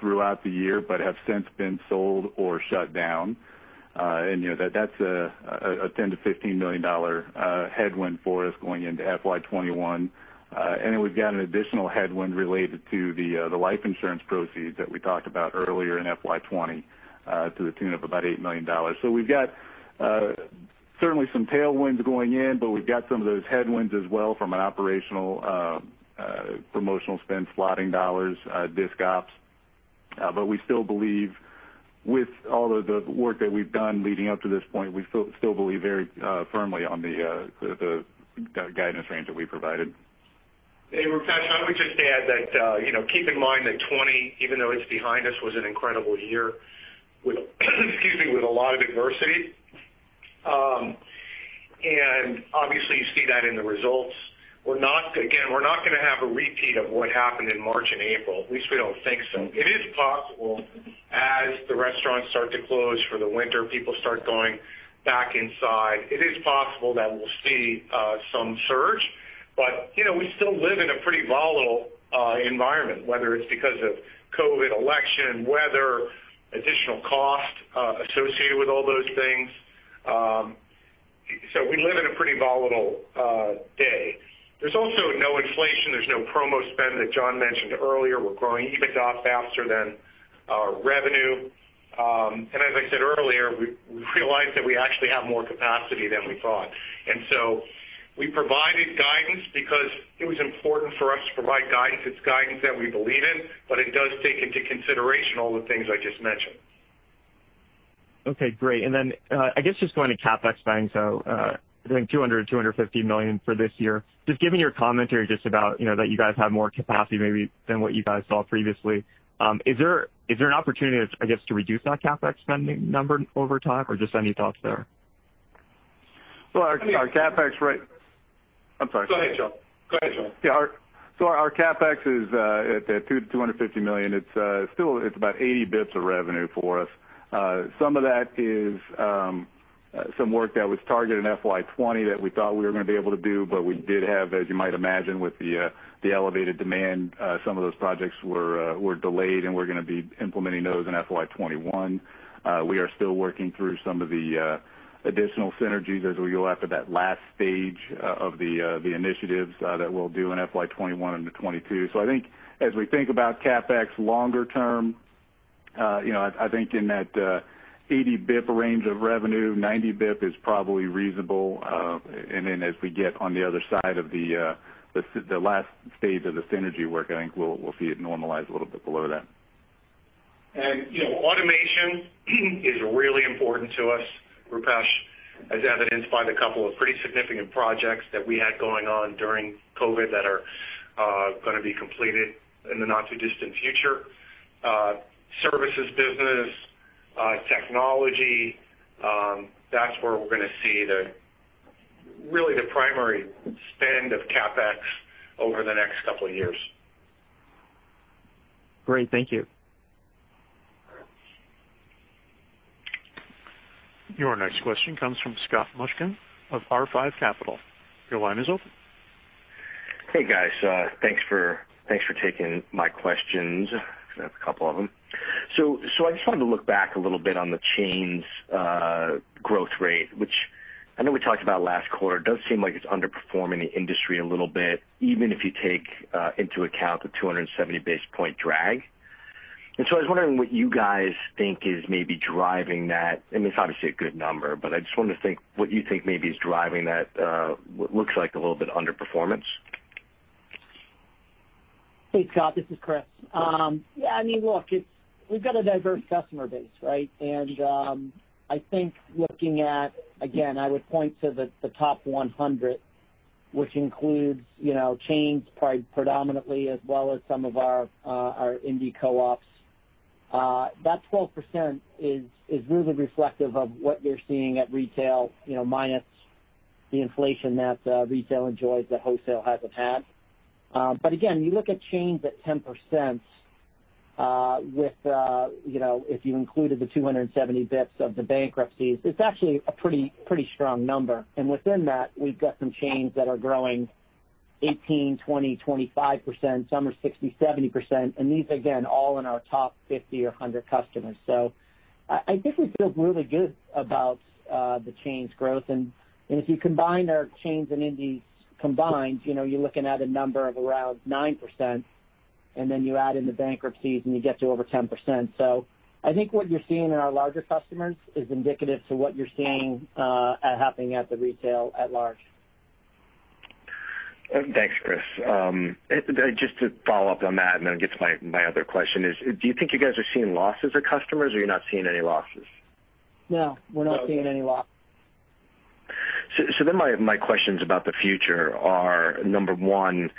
throughout the year but have since been sold or shut down. That is a $10 million-$15 million headwind for us going into FY 2021. We have an additional headwind related to the life insurance proceeds that we talked about earlier in FY 2020 to the tune of about $8 million. We have certainly some tailwinds going in, but we have some of those headwinds as well from an operational promotional spend, sliding dollars, discounts. We still believe, with all of the work that we've done leading up to this point, we still believe very firmly on the guidance range that we provided. Hey, Rupesh, I would just add that keep in mind that 2020, even though it's behind us, was an incredible year, excuse me, with a lot of adversity. Obviously, you see that in the results. Again, we're not going to have a repeat of what happened in March and April. At least we don't think so. It is possible as the restaurants start to close for the winter, people start going back inside. It is possible that we'll see some surge, but we still live in a pretty volatile environment, whether it's because of COVID, election, weather, additional cost associated with all those things. We live in a pretty volatile day. There's also no inflation. There's no promo spend that John mentioned earlier. We're growing EBITDA faster than our revenue. As I said earlier, we realized that we actually have more capacity than we thought. We provided guidance because it was important for us to provide guidance. It's guidance that we believe in, but it does take into consideration all the things I just mentioned. Okay. Great. I guess just going to CapEx spending, doing $200 million-$250 million for this year. Just given your commentary about that you guys have more capacity maybe than what you guys saw previously, is there an opportunity, I guess, to reduce that CapEx spending number over time or just any thoughts there? Our CapEx rate—I'm sorry. Go ahead, John. Go ahead, John. Yeah. Our CapEx is at $200 million-$250 million. It's about 80 basis points of revenue for us. Some of that is some work that was targeted in FY 2020 that we thought we were going to be able to do, but we did have, as you might imagine, with the elevated demand, some of those projects were delayed, and we are going to be implementing those in FY 2021. We are still working through some of the additional synergies as we go after that last stage of the initiatives that we will do in FY 2021 and 2022. I think as we think about CapEx longer term, I think in that 80 basis points range of revenue, 90 basis points is probably reasonable. As we get on the other side of the last stage of the synergy work, I think we will see it normalize a little bit below that. Automation is really important to us, Rupesh, as evidenced by the couple of pretty significant projects that we had going on during COVID that are going to be completed in the not-too-distant future. Services business, technology, that's where we're going to see really the primary spend of CapEx over the next couple of years. Great. Thank you. Your next question comes from Scott Mushkin of R5 Capital. Your line is open. Hey, guys. Thanks for taking my questions. I have a couple of them. I just wanted to look back a little bit on the chain's growth rate, which I know we talked about last quarter. It does seem like it's underperforming the industry a little bit, even if you take into account the 270 basis point drag. I was wondering what you guys think is maybe driving that. I mean, it's obviously a good number, but I just wanted to think what you think maybe is driving that what looks like a little bit underperformance. Hey, Scott, this is Chris. Yeah. I mean, look, we've got a diverse customer base, right? I think looking at, again, I would point to the top 100, which includes chains predominantly as well as some of our indie co-ops. That 12% is really reflective of what you're seeing at retail minus the inflation that retail enjoys that wholesale hasn't had. Again, you look at chains at 10% with if you included the 270 basis points of the bankruptcies, it's actually a pretty strong number. Within that, we've got some chains that are growing 18%, 20%, 25%, some are 60%-70%. These are, again, all in our top 50 or 100 customers. I think we feel really good about the chain's growth. If you combine our chains and indies combined, you're looking at a number of around 9%, and then you add in the bankruptcies and you get to over 10%. I think what you're seeing in our larger customers is indicative to what you're seeing happening at the retail at large. Thanks, Chris. Just to follow up on that, and then it gets to my other question, do you think you guys are seeing losses of customers or you're not seeing any losses? No. We're not seeing any losses. My questions about the future are, number one,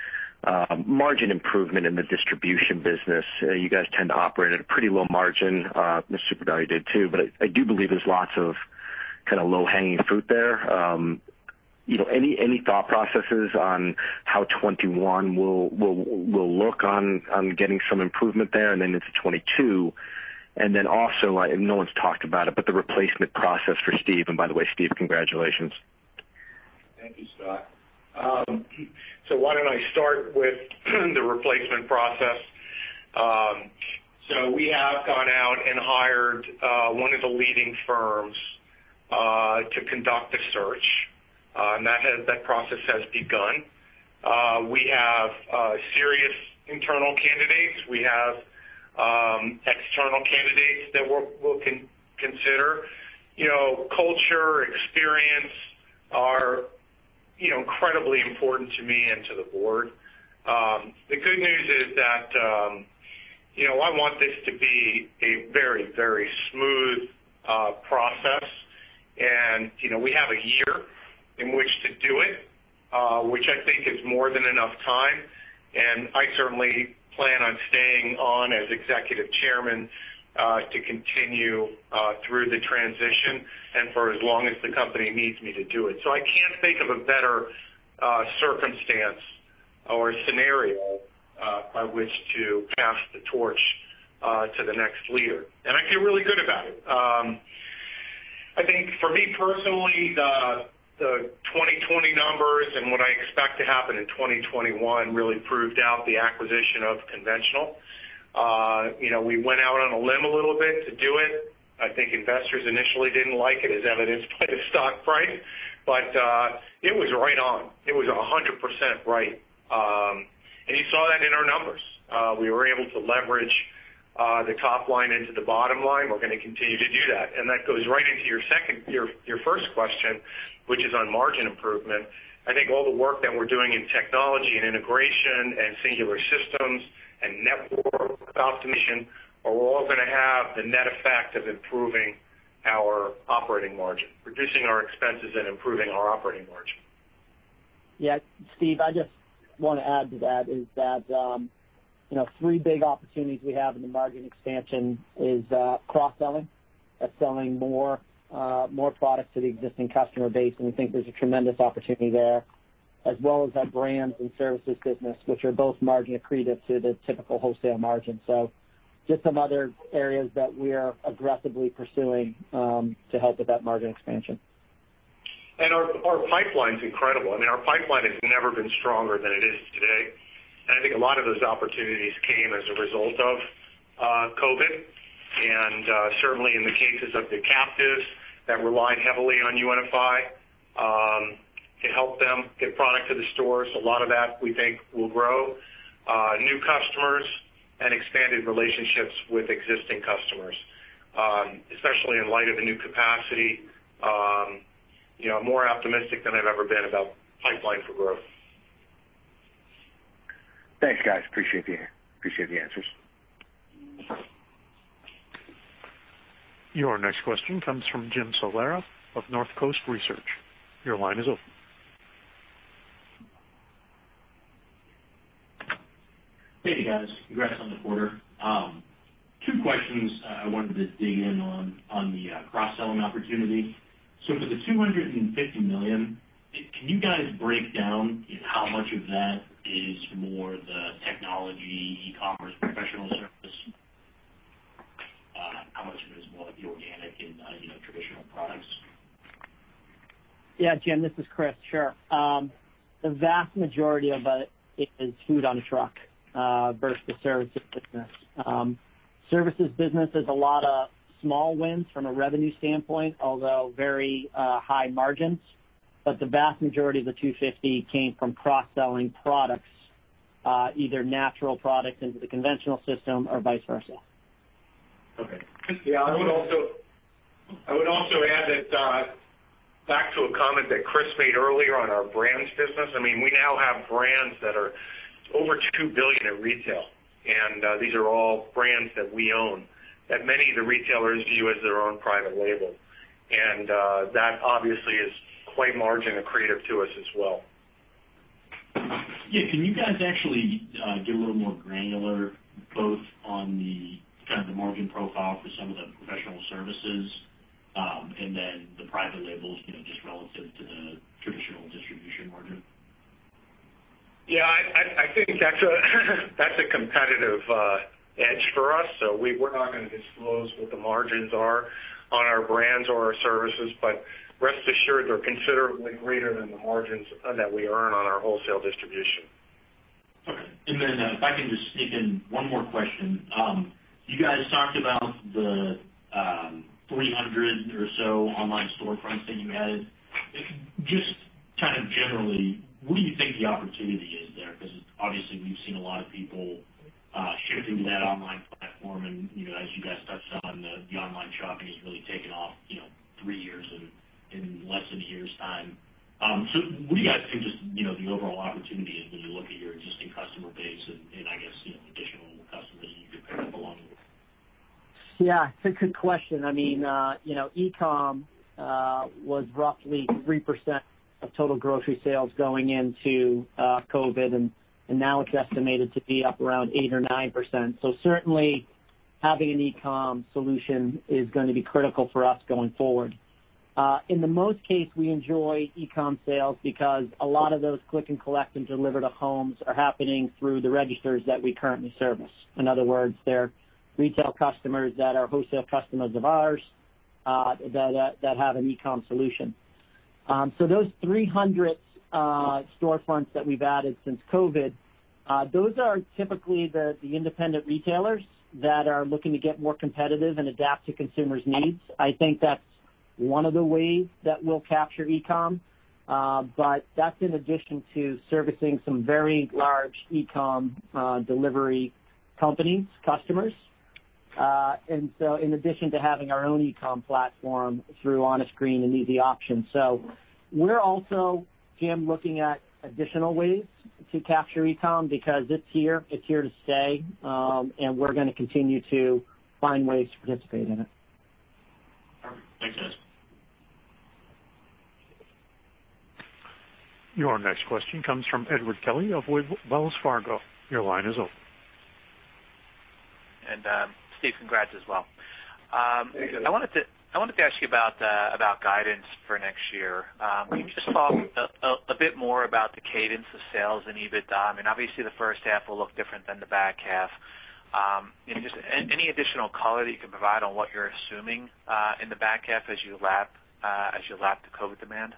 margin improvement in the distribution business. You guys tend to operate at a pretty low margin. SUPERVALU did too, but I do believe there's lots of kind of low-hanging fruit there. Any thought processes on how 2021 will look on getting some improvement there and then into 2022? Also, no one's talked about it, but the replacement process for Steve. By the way, Steve, congratulations. Thank you, Scott. I will start with the replacement process. We have gone out and hired one of the leading firms to conduct the search. That process has begun. We have serious internal candidates. We have external candidates that we will consider. Culture and experience are incredibly important to me and to the board. The good news is that I want this to be a very, very smooth process. We have a year in which to do it, which I think is more than enough time. I certainly plan on staying on as Executive Chairman to continue through the transition and for as long as the company needs me to do it. I cannot think of a better circumstance or scenario by which to pass the torch to the next leader. I feel really good about it. I think for me personally, the 2020 numbers and what I expect to happen in 2021 really proved out the acquisition of Conventional. We went out on a limb a little bit to do it. I think investors initially did not like it, as evidenced by the stock price, but it was right on. It was 100% right. You saw that in our numbers. We were able to leverage the top line into the bottom line. We are going to continue to do that. That goes right into your first question, which is on margin improvement. I think all the work that we're doing in technology and integration and singular systems and network optimization are all going to have the net effect of improving our operating margin, reducing our expenses, and improving our operating margin. Yeah. Steve, I just want to add to that is that three big opportunities we have in the margin expansion is cross-selling. That's selling more products to the existing customer base. We think there's a tremendous opportunity there, as well as our brands and services business, which are both margin accretive to the typical wholesale margin. Just some other areas that we're aggressively pursuing to help with that margin expansion. Our pipeline is incredible. I mean, our pipeline has never been stronger than it is today. I think a lot of those opportunities came as a result of COVID. Certainly in the cases of the captives that relied heavily on UNFI, it helped them get product to the stores. A lot of that, we think, will grow. New customers and expanded relationships with existing customers, especially in light of the new capacity. I'm more optimistic than I've ever been about pipeline for growth. Thanks, guys. Appreciate the answers. Your next question comes from Jim Salera of Northcoast Research. Your line is open. Hey, guys. Congrats on the quarter. Two questions. I wanted to dig in on the cross-selling opportunity. For the $250 million, can you guys break down how much of that is more the technology, e-commerce, professional service? How much of it is more the organic and traditional products? Yeah, Jim, this is Chris. Sure. The vast majority of it is food on a truck versus the services business. Services business has a lot of small wins from a revenue standpoint, although very high margins. The vast majority of the 250 came from cross-selling products, either natural products into the conventional system or vice versa. Okay. I would also add that back to a comment that Chris made earlier on our brands business. I mean, we now have brands that are over $2 billion in retail. These are all brands that we own that many of the retailers view as their own private label. That obviously is quite margin accretive to us as well. Yeah. Can you guys actually get a little more granular both on the kind of the margin profile for some of the professional services and then the private labels just relative to the traditional distribution margin? Yeah. I think that's a competitive edge for us. We're not going to disclose what the margins are on our brands or our services, but rest assured they're considerably greater than the margins that we earn on our wholesale distribution. Okay. If I can just sneak in one more question. You guys talked about the 300 or so online storefronts that you had. Just kind of generally, what do you think the opportunity is there? Obviously, we've seen a lot of people shifting to that online platform. As you guys touched on, the online shopping has really taken off three years and less than a year's time. What do you guys think just the overall opportunity is when you look at your existing customer base and, I guess, additional customers that you could pick up along with? Yeah. It's a good question. I mean, e-com was roughly 3% of total grocery sales going into COVID. Now it's estimated to be up around 8% or 9%. Certainly, having an e-com solution is going to be critical for us going forward. In most cases, we enjoy e-com sales because a lot of those click and collect and deliver to homes are happening through the registers that we currently service. In other words, they're retail customers that are wholesale customers of ours that have an e-com solution. Those 300 storefronts that we've added since COVID are typically the independent retailers that are looking to get more competitive and adapt to consumers' needs. I think that's one of the ways that we'll capture e-com. That's in addition to servicing some very large e-com delivery companies, customers. In addition to having our own e-com platform through OnScreen and Easy Options, we are also, Jim, looking at additional ways to capture e-com because it is here. It is here to stay. We are going to continue to find ways to participate in it. Perfect. Thanks, guys. Your next question comes from Edward Kelly of Wells Fargo. Your line is open. Steve, congrats as well. I wanted to ask you about guidance for next year. Can you just talk a bit more about the cadence of sales in EBITDA? I mean, obviously, the first half will look different than the back half. Just any additional color that you can provide on what you are assuming in the back half as you lap the COVID demand?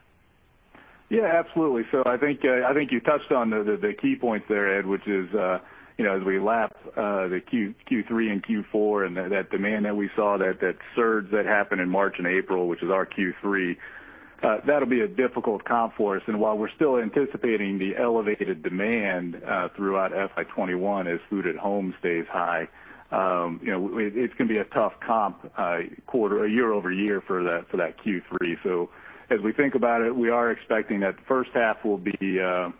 Yeah, absolutely. I think you touched on the key point there, Ed, which is as we lap the Q3 and Q4 and that demand that we saw, that surge that happened in March and April, which is our Q3, that'll be a difficult comp for us. While we're still anticipating the elevated demand throughout fiscal 2021 as food at home stays high, it's going to be a tough comp year-over-year for that Q3. As we think about it, we are expecting that the first half will be a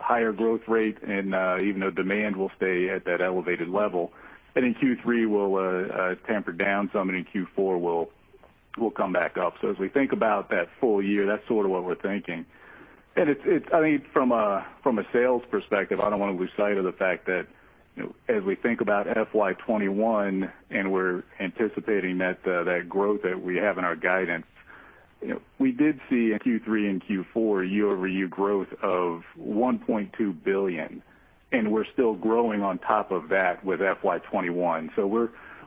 higher growth rate even though demand will stay at that elevated level. Q3 will tamper down some, and then Q4 will come back up. As we think about that full year, that's sort of what we're thinking. I think from a sales perspective, I do not want to lose sight of the fact that as we think about FY 2021 and we are anticipating that growth that we have in our guidance, we did see in Q3 and Q4 year-over-year growth of $1.2 billion. We are still growing on top of that with FY 2021.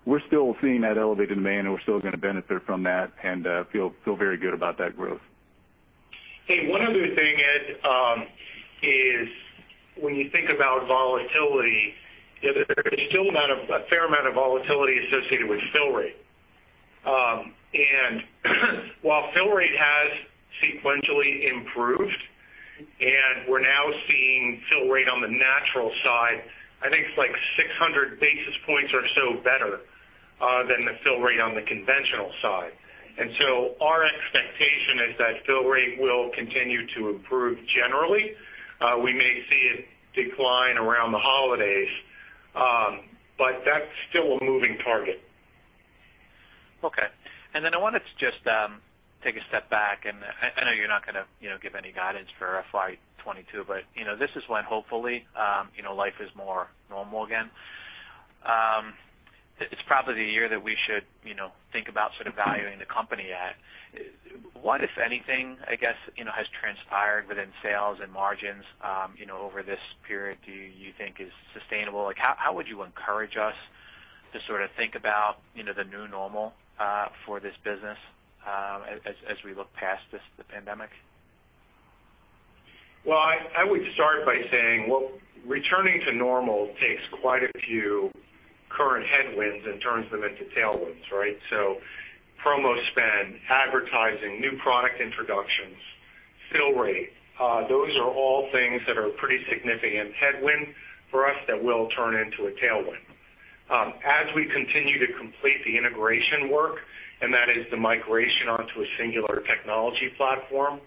We are still seeing that elevated demand, and we are still going to benefit from that and feel very good about that growth. Hey, one other thing, Ed, is when you think about volatility, there is still a fair amount of volatility associated with fill rate. While fill rate has sequentially improved and we are now seeing fill rate on the natural side, I think it is like 600 basis points or so better than the fill rate on the conventional side. Our expectation is that fill rate will continue to improve generally. We may see it decline around the holidays, but that's still a moving target. Okay. I wanted to just take a step back. I know you're not going to give any guidance for FY 2022, but this is when, hopefully, life is more normal again. It's probably the year that we should think about sort of valuing the company at. What, if anything, I guess, has transpired within sales and margins over this period do you think is sustainable? How would you encourage us to sort of think about the new normal for this business as we look past the pandemic? I would start by saying returning to normal takes quite a few current headwinds and turns them into tailwinds, right? Promo spend, advertising, new product introductions, fill rate, those are all things that are a pretty significant headwind for us that will turn into a tailwind. As we continue to complete the integration work, and that is the migration onto a singular technology platform,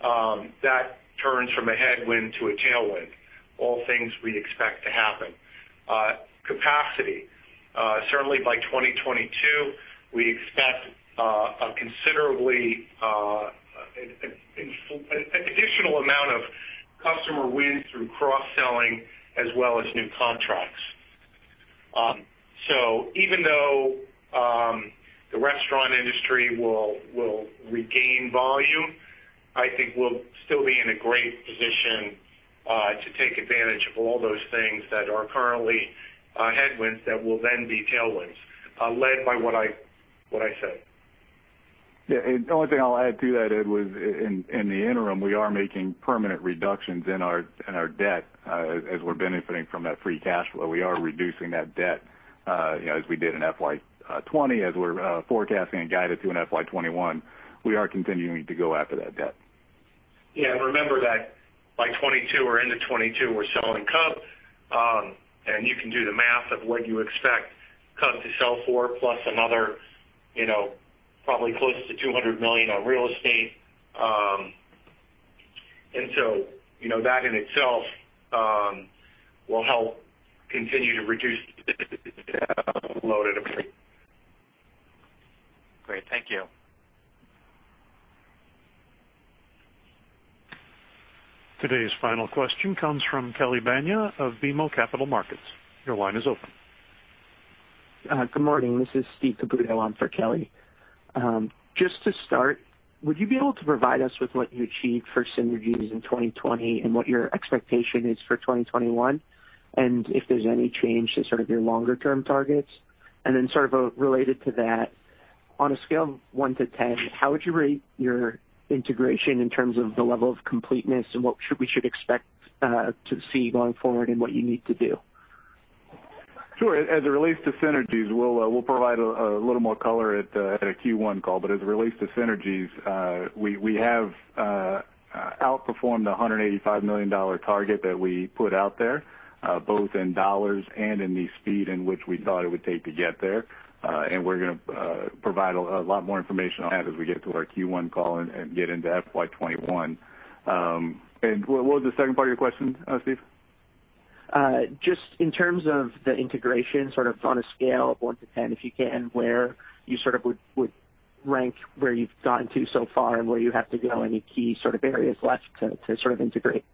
that turns from a headwind to a tailwind, all things we expect to happen. Capacity. Certainly, by 2022, we expect a considerably additional amount of customer wins through cross-selling as well as new contracts. Even though the restaurant industry will regain volume, I think we'll still be in a great position to take advantage of all those things that are currently headwinds that will then be tailwinds, led by what I said. Yeah. The only thing I'll add to that, Ed, was in the interim, we are making permanent reductions in our debt as we're benefiting from that free cash flow. We are reducing that debt as we did in FY 2020, as we're forecasting and guided through an FY 2021. We are continuing to go after that debt. Yeah. Remember that by 2022 or into 2022, we're selling Cub. You can do the math of what you expect Cub to sell for, plus another probably close to $200 million on real estate. That in itself will help continue to reduce the load of the market. Great. Thank you. Today's final question comes from Kelly Bania of BMO Capital Markets. Your line is open. Good morning. This is Steve Caputo on for Kelly. Just to start, would you be able to provide us with what you achieved for synergies in 2020 and what your expectation is for 2021, and if there's any change to sort of your longer-term targets? Sort of related to that, on a scale of one to 10, how would you rate your integration in terms of the level of completeness and what we should expect to see going forward and what you need to do? Sure. As it relates to synergies, we'll provide a little more color at a Q1 call. As it relates to synergies, we have outperformed the $185 million target that we put out there, both in dollars and in the speed in which we thought it would take to get there. We're going to provide a lot more information on that as we get to our Q1 call and get into FY 2021. What was the second part of your question, Steve? Just in terms of the integration, sort of on a scale of one to 10, if you can, where you sort of would rank where you've gotten to so far and where you have to go and the key sort of areas left to sort of integrate.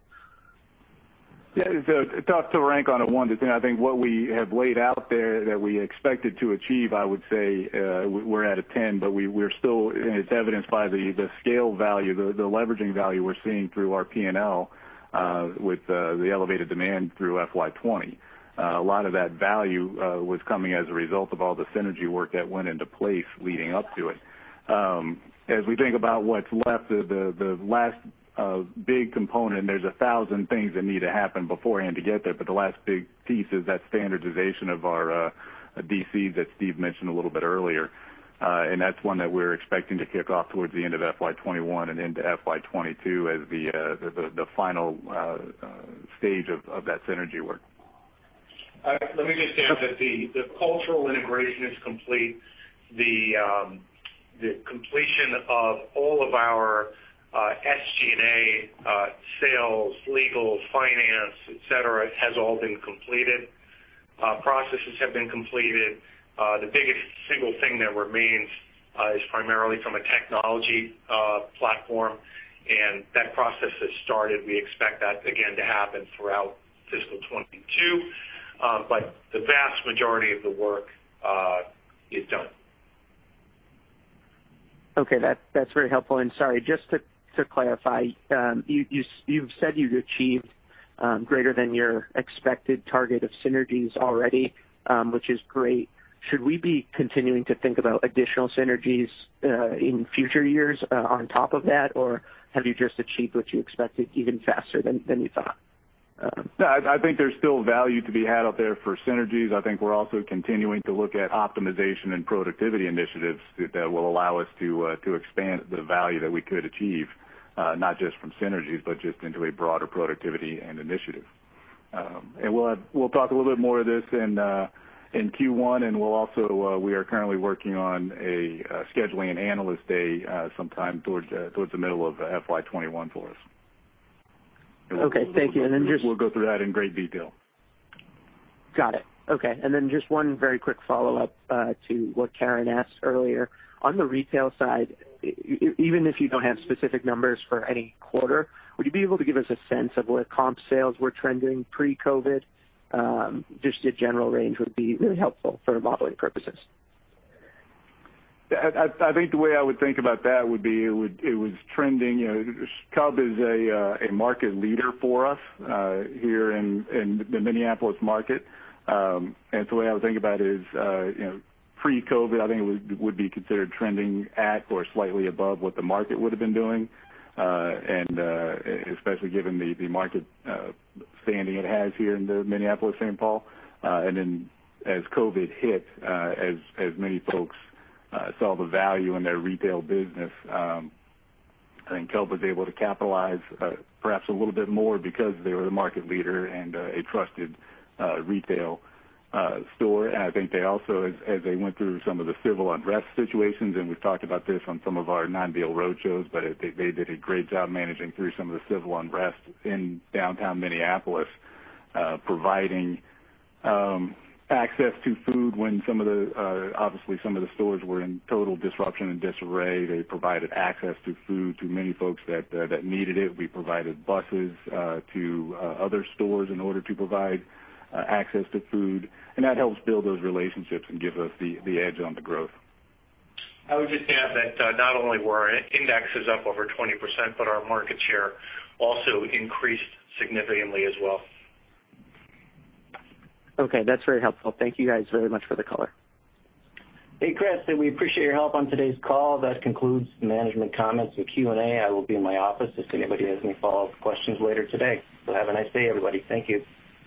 Yeah. It's tough to rank on a 1 to 10. I think what we have laid out there that we expected to achieve, I would say we're at a 10, but it's evidenced by the scale value, the leveraging value we're seeing through our P&L with the elevated demand through FY 2020. A lot of that value was coming as a result of all the Synergy work that went into place leading up to it. As we think about what's left, the last big component, there's a thousand things that need to happen beforehand to get there. The last big piece is that standardization of our DCs that Steve mentioned a little bit earlier. That is one that we are expecting to kick off towards the end of fiscal year 2021 and into fiscal year 2022 as the final stage of that Synergy work. All right. Let me just add that the cultural integration is complete. The completion of all of our SG&A sales, legal, finance, etc., has all been completed. Processes have been completed. The biggest single thing that remains is primarily from a technology platform. That process has started. We expect that, again, to happen throughout fiscal 2022. The vast majority of the work is done. Okay. That is very helpful. Sorry, just to clarify, you have said you have achieved greater than your expected target of Synergies already, which is great. Should we be continuing to think about additional synergies in future years on top of that, or have you just achieved what you expected even faster than you thought? I think there's still value to be had out there for synergies. I think we're also continuing to look at optimization and productivity initiatives that will allow us to expand the value that we could achieve, not just from synergies, but just into a broader productivity and initiative. We will talk a little bit more of this in Q1. We are currently working on scheduling an analyst day sometime towards the middle of FY 2021 for us. Okay. Thank you. We will go through that in great detail. Got it. Okay. One very quick follow-up to what Karen asked earlier. On the retail side, even if you do not have specific numbers for any quarter, would you be able to give us a sense of where comp sales were trending pre-COVID? Just a general range would be really helpful for modeling purposes. I think the way I would think about that would be it was trending. Cub is a market leader for us here in the Minneapolis market. I would think about it as pre-COVID, I think it would be considered trending at or slightly above what the market would have been doing, especially given the market standing it has here in the Minneapolis-Saint Paul. As COVID hit, as many folks saw the value in their retail business, I think Cub was able to capitalize perhaps a little bit more because they were the market leader and a trusted retail store. I think they also, as they went through some of the civil unrest situations, and we've talked about this on some of our non-BL road shows, did a great job managing through some of the civil unrest in downtown Minneapolis, providing access to food when obviously some of the stores were in total disruption and disarray. They provided access to food to many folks that needed it. We provided buses to other stores in order to provide access to food. That helps build those relationships and gives us the edge on the growth. I would just add that not only were indexes up over 20%, but our market share also increased significantly as well. Okay. That's very helpful. Thank you guys very much for the color. Hey, Chris, we appreciate your help on today's call. That concludes the management comments and Q&A.I will be in my office if anybody has any follow-up questions later today. Have a nice day, everybody. Thank you.